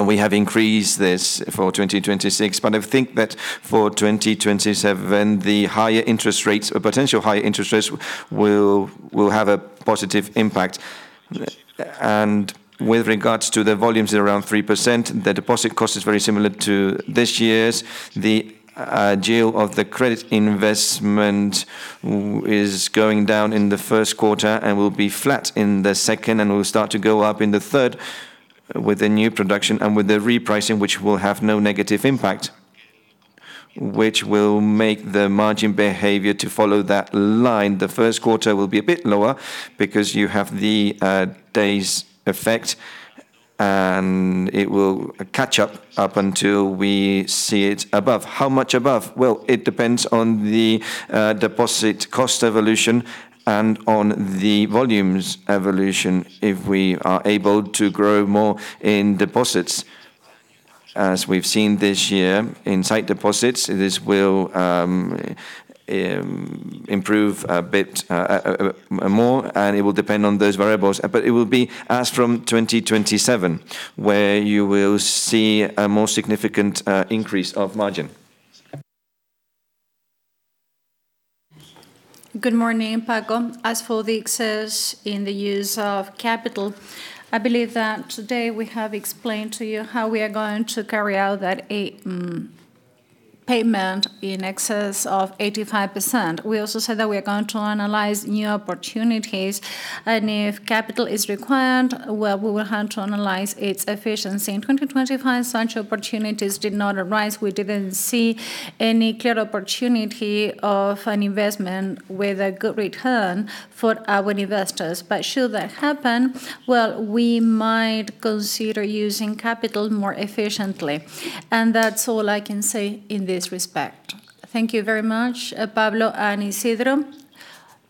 we have increased this for 2026. But I think that for 2027, the higher interest rates or potential higher interest rates will, will have a positive impact. And with regards to the volumes around 3%, the deposit cost is very similar to this year's. The yield of the credit investment is going down in the first quarter and will be flat in the second, and will start to go up in the third with the new production and with the repricing, which will have no negative impact, which will make the margin behavior to follow that line. The first quarter will be a bit lower because you have the days effect, and it will catch up, up until we see it above. How much above? Well, it depends on the deposit cost evolution and on the volumes evolution if we are able to grow more in deposits. As we've seen this year, in sight deposits, this will improve a bit more, and it will depend on those variables. It will be as from 2027, where you will see a more significant increase of margin. Good morning, Paco. As for the excess in the use of capital, I believe that today we have explained to you how we are going to carry out that payment in excess of 85%. We also said that we are going to analyze new opportunities, and if capital is required, well, we will have to analyze its efficiency. In 2025, such opportunities did not arise. We didn't see any clear opportunity of an investment with a good return for our investors. But should that happen, well, we might consider using capital more efficiently, and that's all I can say in this respect. Thank you very much, Pablo and Isidro.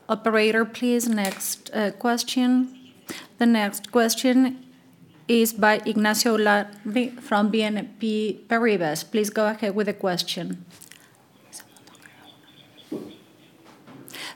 Operator, please, next question. The next question is by Ignacio Ulargui from BNP Paribas. Please go ahead with the question.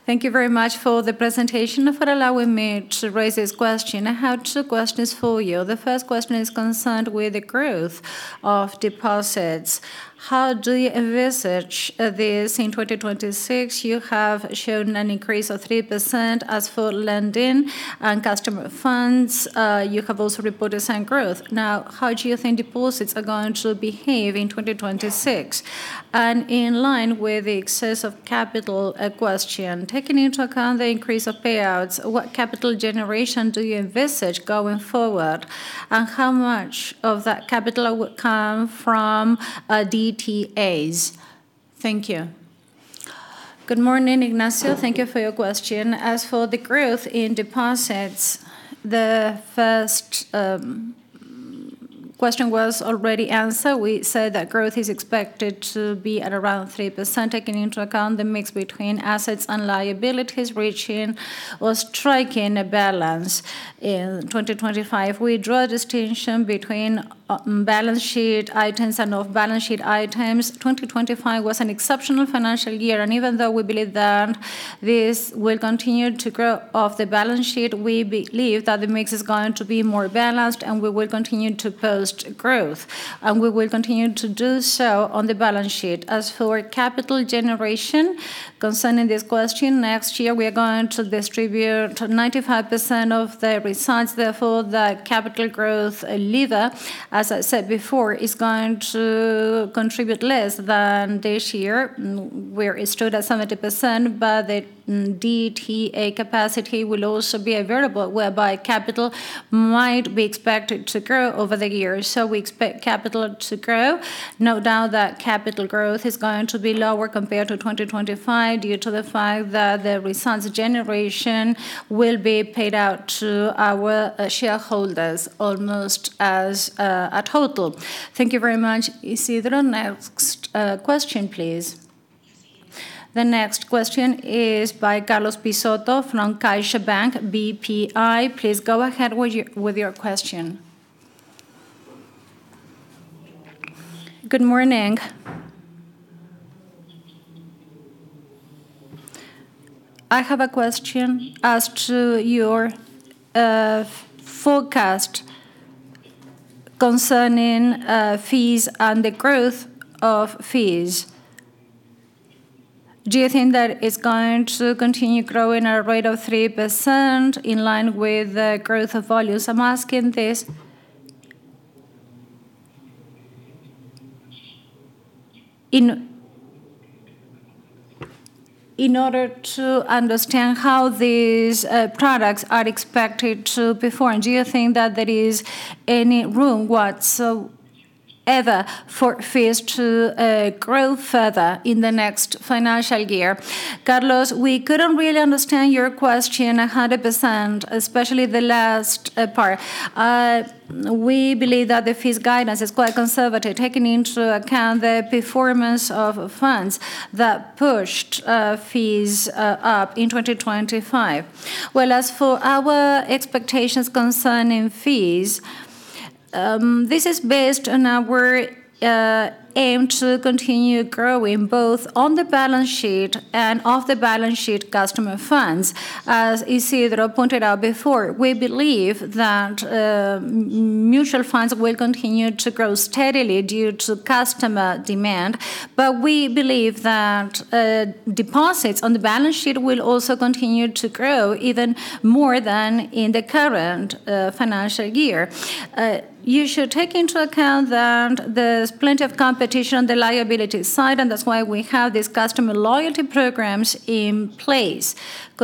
Thank you very much for the presentation and for allowing me to raise this question. I have two questions for you. The first question is concerned with the growth of deposits. How do you envisage this in 2026? You have shown an increase of 3%. As for lending and customer funds, you have also reported same growth. Now, how do you think deposits are going to behave in 2026? And in line with the excess of capital, question, taking into account the increase of payouts, what capital generation do you envisage going forward, and how much of that capital will come from, DTAs? Thank you. Good morning, Ignacio. Thank you for your question. As for the growth in deposits, the first question was already answered. We said that growth is expected to be at around 3%, taking into account the mix between assets and liabilities, reaching or striking a balance in 2025. We draw a distinction between balance sheet items and off balance sheet items. 2025 was an exceptional financial year, and even though we believe that this will continue to grow off the balance sheet, we believe that the mix is going to be more balanced, and we will continue to post growth, and we will continue to do so on the balance sheet. As for capital generation, concerning this question, next year we are going to distribute 95% of the results. Therefore, the capital growth lever, as I said before, is going to contribute less than this year, where it stood at 70%, but the DTA capacity will also be a variable, whereby capital might be expected to grow over the years. So we expect capital to grow. No doubt that capital growth is going to be lower compared to 2025, due to the fact that the results generation will be paid out to our shareholders almost as a total. Thank you very much, Isidro. Next question, please. The next question is by Carlos Peixoto from CaixaBank BPI. Please go ahead with your question. Good morning. I have a question as to your forecast concerning fees and the growth of fees. Do you think that it's going to continue growing at a rate of 3% in line with the growth of volumes? I'm asking this in order to understand how these products are expected to perform. Do you think that there is any room whatsoever for fees to grow further in the next financial year? Carlos, we couldn't really understand your question 100%, especially the last, part. We believe that the fees guidance is quite conservative, taking into account the performance of funds that pushed, fees, up in 2025. Well, as for our expectations concerning fees, this is based on our, aim to continue growing both on the balance sheet and off the balance sheet customer funds. As Isidro pointed out before, we believe that, mutual funds will continue to grow steadily due to customer demand, but we believe that, deposits on the balance sheet will also continue to grow even more than in the current, financial year. You should take into account that there's plenty of competition on the liability side, and that's why we have these customer loyalty programs in place.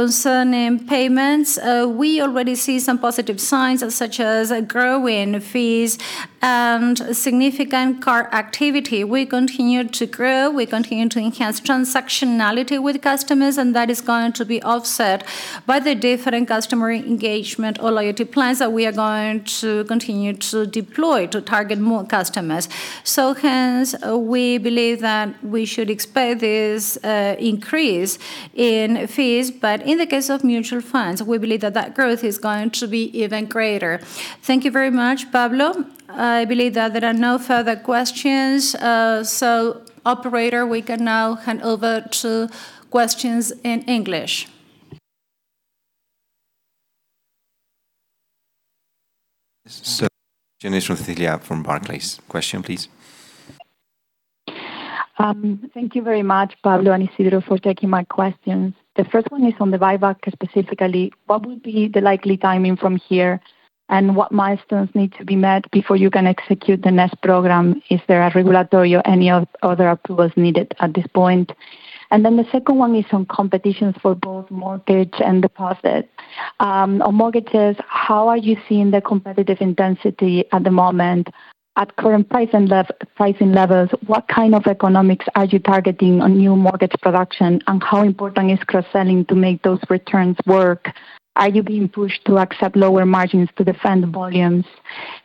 Concerning payments, we already see some positive signs, such as a growth in fees and significant card activity. We continue to grow, we continue to enhance transactionality with customers, and that is going to be offset by the different customer engagement or loyalty plans that we are going to continue to deploy to target more customers. So hence, we believe that we should expect this, increase in fees, but in the case of mutual funds, we believe that that growth is going to be even greater. Thank you very much, Pablo. I believe that there are no further questions. So operator, we can now hand over to questions in English. Cecilia Romero from Barclays. Question, please. Thank you very much, Pablo and Isidro, for taking my questions. The first one is on the buyback specifically. What will be the likely timing from here, and what milestones need to be met before you can execute the next program? Is there a regulatory or any other approvals needed at this point? And then the second one is on competition for both mortgage and deposit. On mortgages, how are you seeing the competitive intensity at the moment? At current pricing levels, what kind of economics are you targeting on new mortgage production, and how important is cross-selling to make those returns work? Are you being pushed to accept lower margins to defend volumes?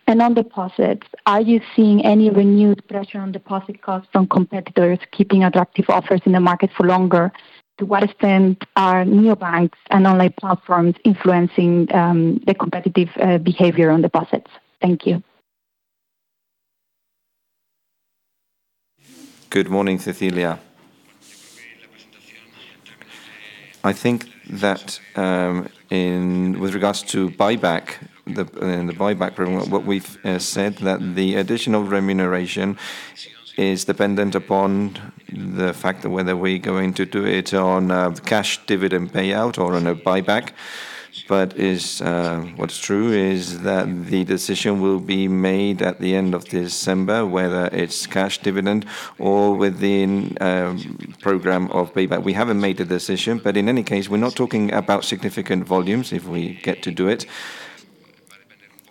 And on deposits, are you seeing any renewed pressure on deposit costs from competitors, keeping attractive offers in the market for longer? To what extent are neobanks and online platforms influencing the competitive behavior on deposits? Thank you. Good morning, Cecilia. I think that with regards to buyback, the buyback program, what we've said, that the additional remuneration is dependent upon the fact that whether we're going to do it on a cash dividend payout or on a buyback. But what's true is that the decision will be made at the end of December, whether it's cash dividend or within program of buyback. We haven't made a decision, but in any case, we're not talking about significant volumes if we get to do it,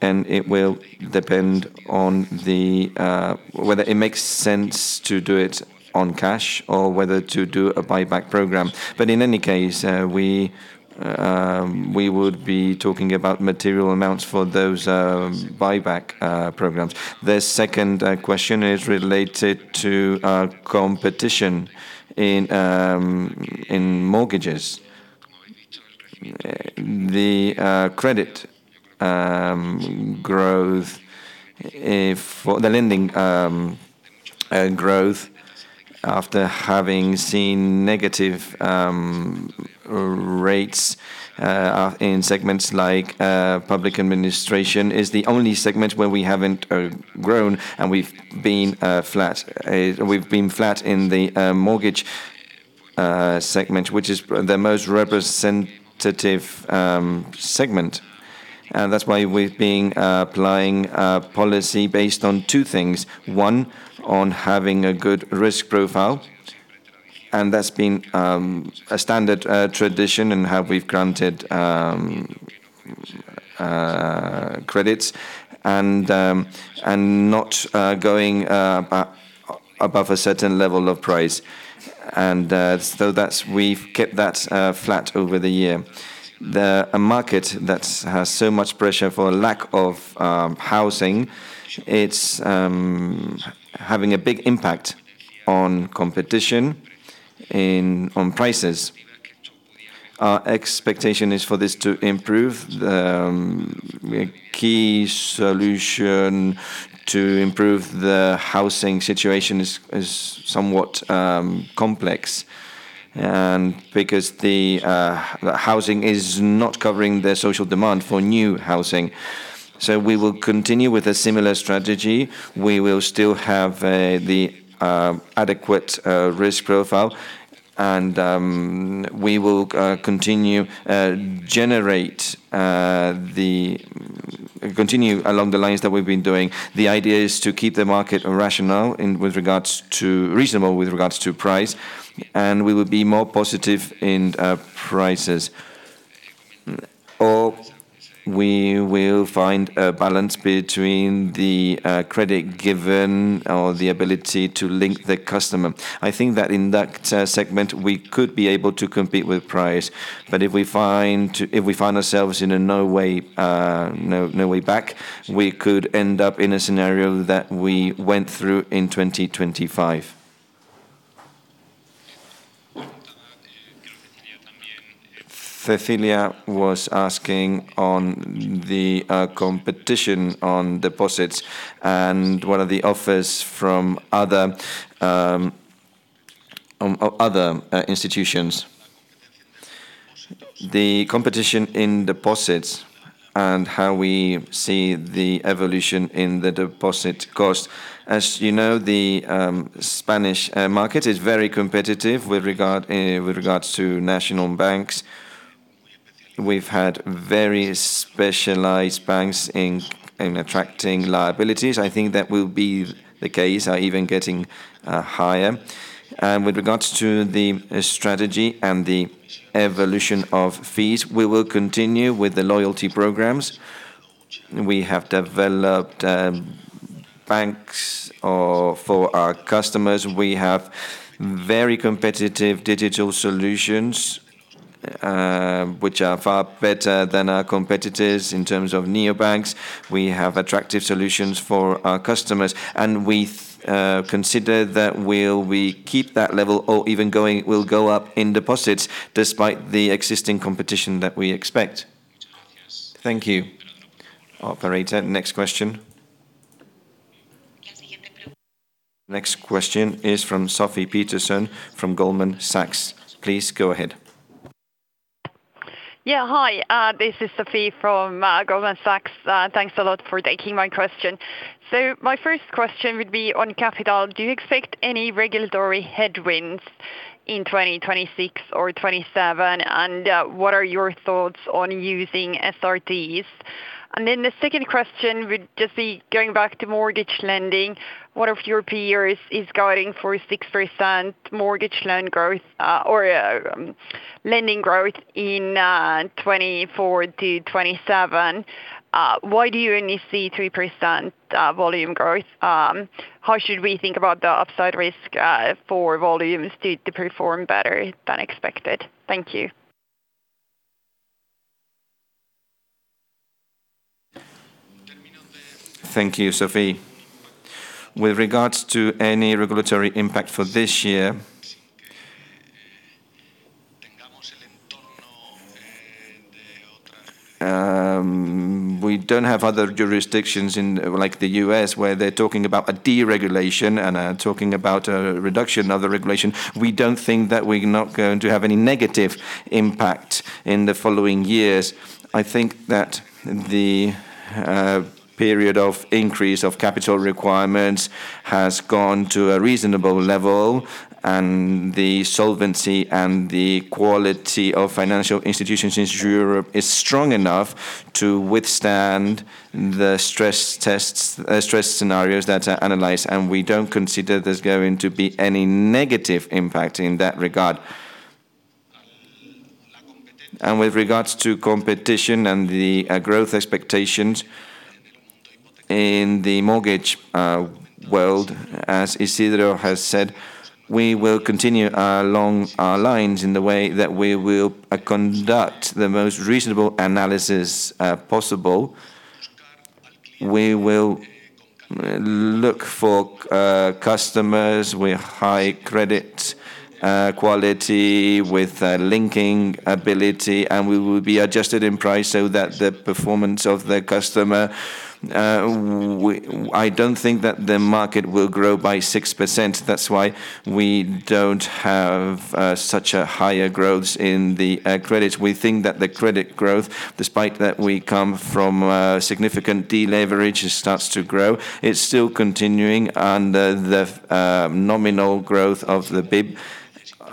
and it will depend on the whether it makes sense to do it on cash or whether to do a buyback program. But in any case, we would be talking about material amounts for those buyback programs. The second question is related to competition in mortgages. The credit growth for the lending growth, after having seen negative rates in segments like public administration, is the only segment where we haven't grown, and we've been flat. We've been flat in the mortgage segment, which is the most representative segment. That's why we've been applying a policy based on two things: one, on having a good risk profile, and that's been a standard tradition in how we've granted credits, and not going above a certain level of price. So that's. We've kept that flat over the year. In a market that has so much pressure for lack of housing, it's having a big impact on competition on prices. Our expectation is for this to improve. The key solution to improve the housing situation is somewhat complex, and because the housing is not covering the social demand for new housing. So we will continue with a similar strategy. We will still have the adequate risk profile, and we will continue along the lines that we've been doing. The idea is to keep the market rational in with regards to reasonable with regards to price, and we will be more positive in prices. Or we will find a balance between the credit given or the ability to link the customer. I think that in that segment, we could be able to compete with price. But if we find ourselves in a no way back, we could end up in a scenario that we went through in 2025. Cecilia was asking on the competition on deposits, and what are the offers from other institutions. The competition in deposits and how we see the evolution in the deposit cost. As you know, the Spanish market is very competitive with regard, with regards to national banks. We've had very specialized banks in attracting liabilities. I think that will be the case, or even getting higher. And with regards to the strategy and the evolution of fees, we will continue with the loyalty programs. We have developed apps or for our customers, we have very competitive digital solutions, which are far better than our competitors in terms of neobanks. We have attractive solutions for our customers, and we consider that we'll keep that level or even going will go up in deposits despite the existing competition that we expect. Thank you. Operator, next question. Next question is from Sofie Peterzens from J.P. Morgan. Please go ahead. Yeah, hi, this is Sofie from J.P. Morgan. Thanks a lot for taking my question. So my first question would be on capital: Do you expect any regulatory headwinds in 2026 or 2027, and what are your thoughts on using SRTs? And then the second question would just be going back to mortgage lending. One of your peers is guiding for 6% mortgage loan growth, or lending growth in 2024-2027. Why do you only see 3% volume growth? How should we think about the upside risk for volumes to perform better than expected? Thank you. Thank you, Sofie. With regards to any regulatory impact for this year, we don't have other jurisdictions in, like the U.S., where they're talking about a deregulation and talking about a reduction of the regulation. We don't think that we're not going to have any negative impact in the following years. I think that the period of increase of capital requirements has gone to a reasonable level, and the solvency and the quality of financial institutions in Europe is strong enough to withstand the stress tests, stress scenarios that are analyzed, and we don't consider there's going to be any negative impact in that regard. And with regards to competition and the growth expectations in the mortgage world, as Isidro has said, we will continue along our lines in the way that we will conduct the most reasonable analysis possible. We will look for customers with high credit quality, with linking ability, and we will be adjusted in price so that the performance of the customer. I don't think that the market will grow by 6%. That's why we don't have such a higher growth in the credit. We think that the credit growth, despite that we come from a significant deleverage, it starts to grow. It's still continuing under the nominal growth of the GDP of the GDP.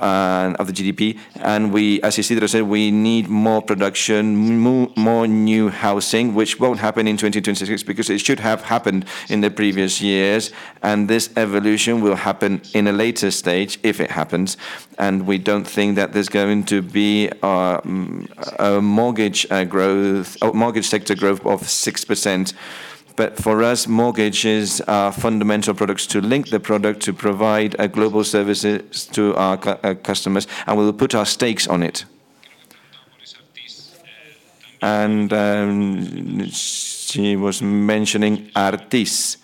And we, as Isidro said, we need more production, more new housing, which won't happen in 2026 because it should have happened in the previous years, and this evolution will happen in a later stage, if it happens. We don't think that there's going to be a mortgage growth or mortgage sector growth of 6%.... but for us, mortgages are fundamental products to link the product, to provide global services to our customers, and we will put our stakes on it. She was mentioning AT1s.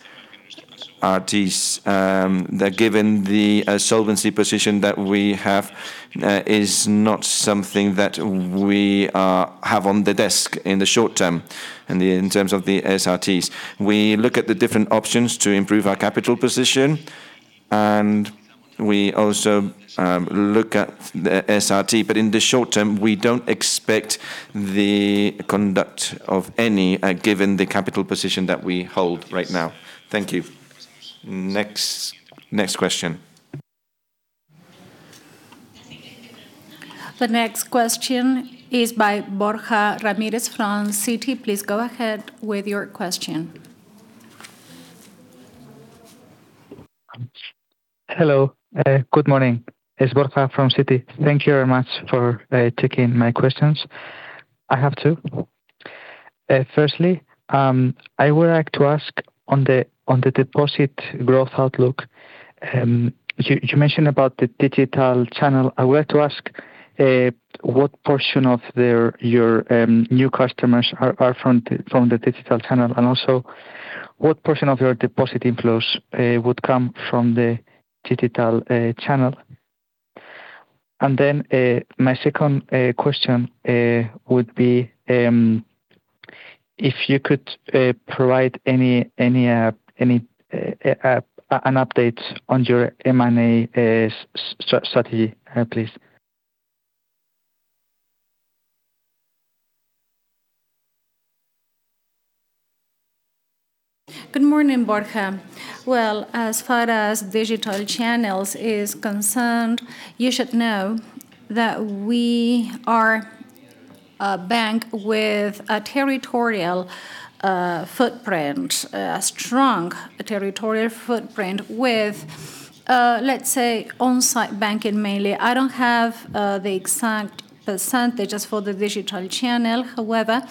AT1s that given the solvency position that we have is not something that we have on the desk in the short term, in terms of the SRTs. We look at the different options to improve our capital position, and we also look at the SRT. But in the short term, we don't expect the conduct of any, given the capital position that we hold right now. Thank you. Next, next question. The next question is by Borja Ramirez from Citi. Please go ahead with your question. Hello. Good morning. It's Borja from Citi. Thank you very much for taking my questions. I have two. Firstly, I would like to ask on the deposit growth outlook. You mentioned about the digital channel. I would like to ask what portion of their... your new customers are from the digital channel, and also what portion of your deposit inflows would come from the digital channel? And then, my second question would be, if you could provide an update on your M&A strategy, please? Good morning, Borja. Well, as far as digital channels is concerned, you should know that we are a bank with a territorial footprint, a strong territorial footprint with, let's say, on-site banking mainly. I don't have the exact percentage just for the digital channel. However,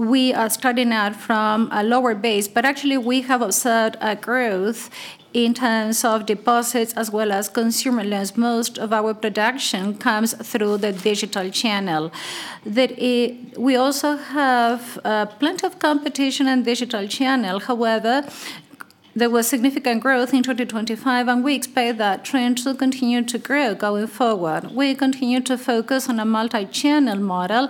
we are starting out from a lower base. But actually, we have observed a growth in terms of deposits as well as consumer loans. Most of our production comes through the digital channel. That we also have plenty of competition in digital channel. However, there was significant growth in 2025, and we expect that trend to continue to grow going forward. We continue to focus on a multi-channel model.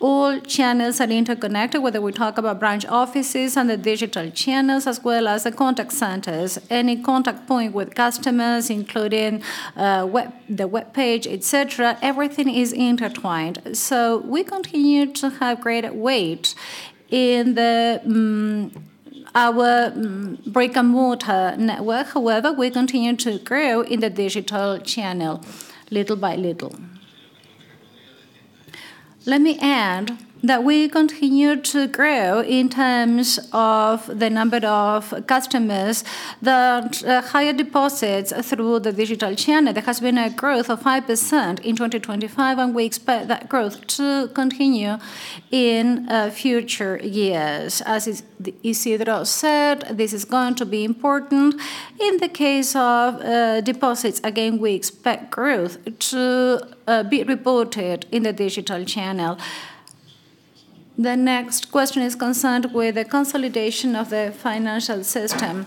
All channels are interconnected, whether we talk about branch offices and the digital channels, as well as the contact centers. Any contact point with customers, including web, the webpage, et cetera, everything is intertwined. So we continue to have greater weight in the our brick-and-mortar network. However, we continue to grow in the digital channel little by little. Let me add that we continue to grow in terms of the number of customers. The higher deposits through the digital channel, there has been a growth of 5% in 2025, and we expect that growth to continue in future years. As Isidro said, this is going to be important. In the case of deposits, again, we expect growth to be reported in the digital channel. The next question is concerned with the consolidation of the financial system.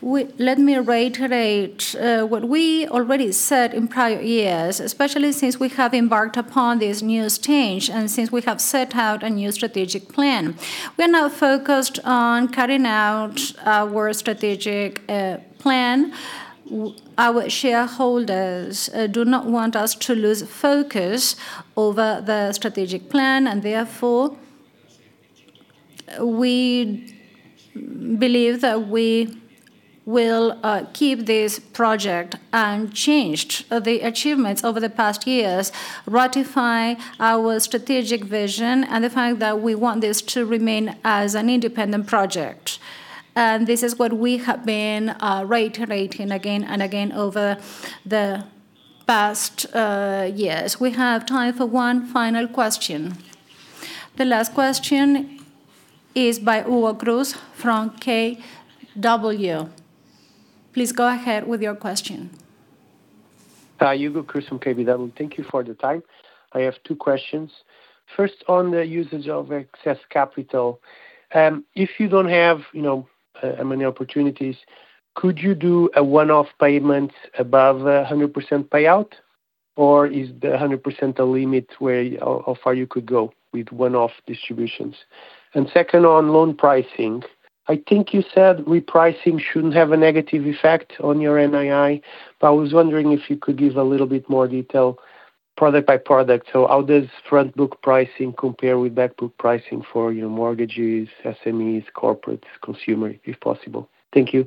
Let me reiterate what we already said in prior years, especially since we have embarked upon this new stage and since we have set out a new strategic plan. We're now focused on carrying out our strategic plan. Our shareholders do not want us to lose focus over the strategic plan, and therefore, we believe that we will keep this project unchanged. The achievements over the past years ratify our strategic vision and the fact that we want this to remain as an independent project. And this is what we have been reiterating again and again over the past years. We have time for one final question. The last question is by Hugo Cruz from KBW. Please go ahead with your question. Hugo Cruz from KBW. Thank you for the time. I have two questions. First, on the usage of excess capital, if you don't have, you know, M&A opportunities, could you do a one-off payment above 100% payout, or is the 100% the limit - how far you could go with one-off distributions? And second, on loan pricing, I think you said repricing shouldn't have a negative effect on your NII, but I was wondering if you could give a little bit more detail product by product. So how does front book pricing compare with back book pricing for your mortgages, SMEs, corporates, consumer, if possible? Thank you. ...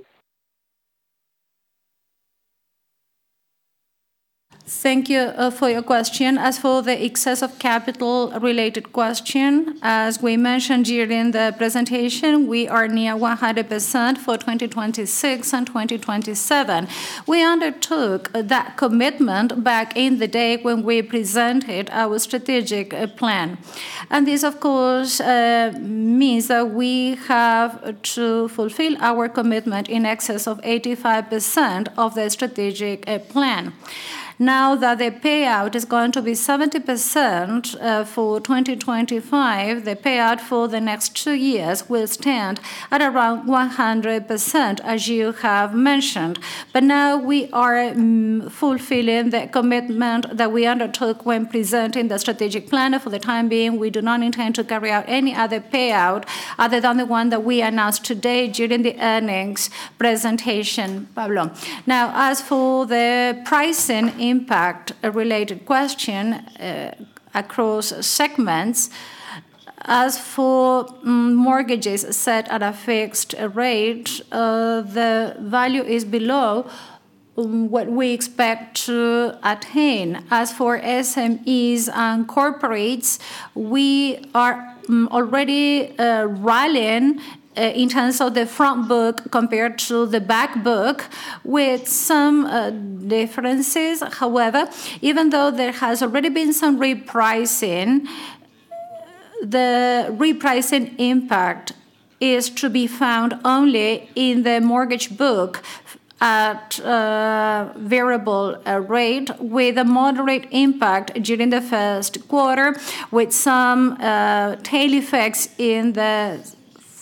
Thank you for your question. As for the excess of capital-related question, as we mentioned during the presentation, we are near 100% for 2026 and 2027. We undertook that commitment back in the day when we presented our strategic plan. This, of course, means that we have to fulfill our commitment in excess of 85% of the strategic plan. Now that the payout is going to be 70% for 2025, the payout for the next two years will stand at around 100%, as you have mentioned. Now we are fulfilling the commitment that we undertook when presenting the strategic plan. For the time being, we do not intend to carry out any other payout other than the one that we announced today during the earnings presentation. Pablo. Now, as for the pricing impact, a related question, across segments, as for, mortgages set at a fixed rate, the value is below what we expect to attain. As for SMEs and corporates, we are, already, rallying, in terms of the front book compared to the back book, with some, differences. However, even though there has already been some repricing, the repricing impact is to be found only in the mortgage book at, variable, rate, with a moderate impact during the first quarter, with some, tail effects in the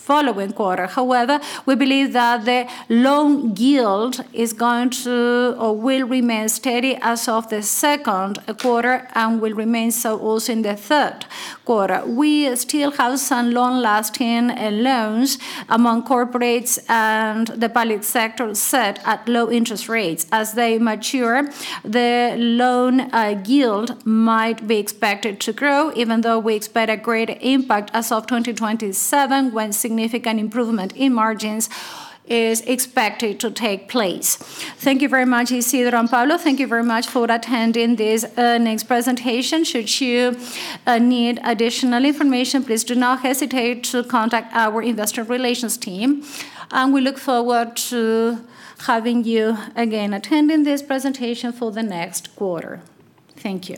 following quarter. However, we believe that the loan yield is going to or will remain steady as of the second quarter and will remain so also in the third quarter. We still have some long-lasting, loans among corporates and the public sector set at low interest rates. As they mature, the loan yield might be expected to grow, even though we expect a greater impact as of 2027, when significant improvement in margins is expected to take place. Thank you very much, Isidro and Pablo. Thank you very much for attending this next presentation. Should you need additional information, please do not hesitate to contact our investor relations team, and we look forward to having you again attending this presentation for the next quarter. Thank you.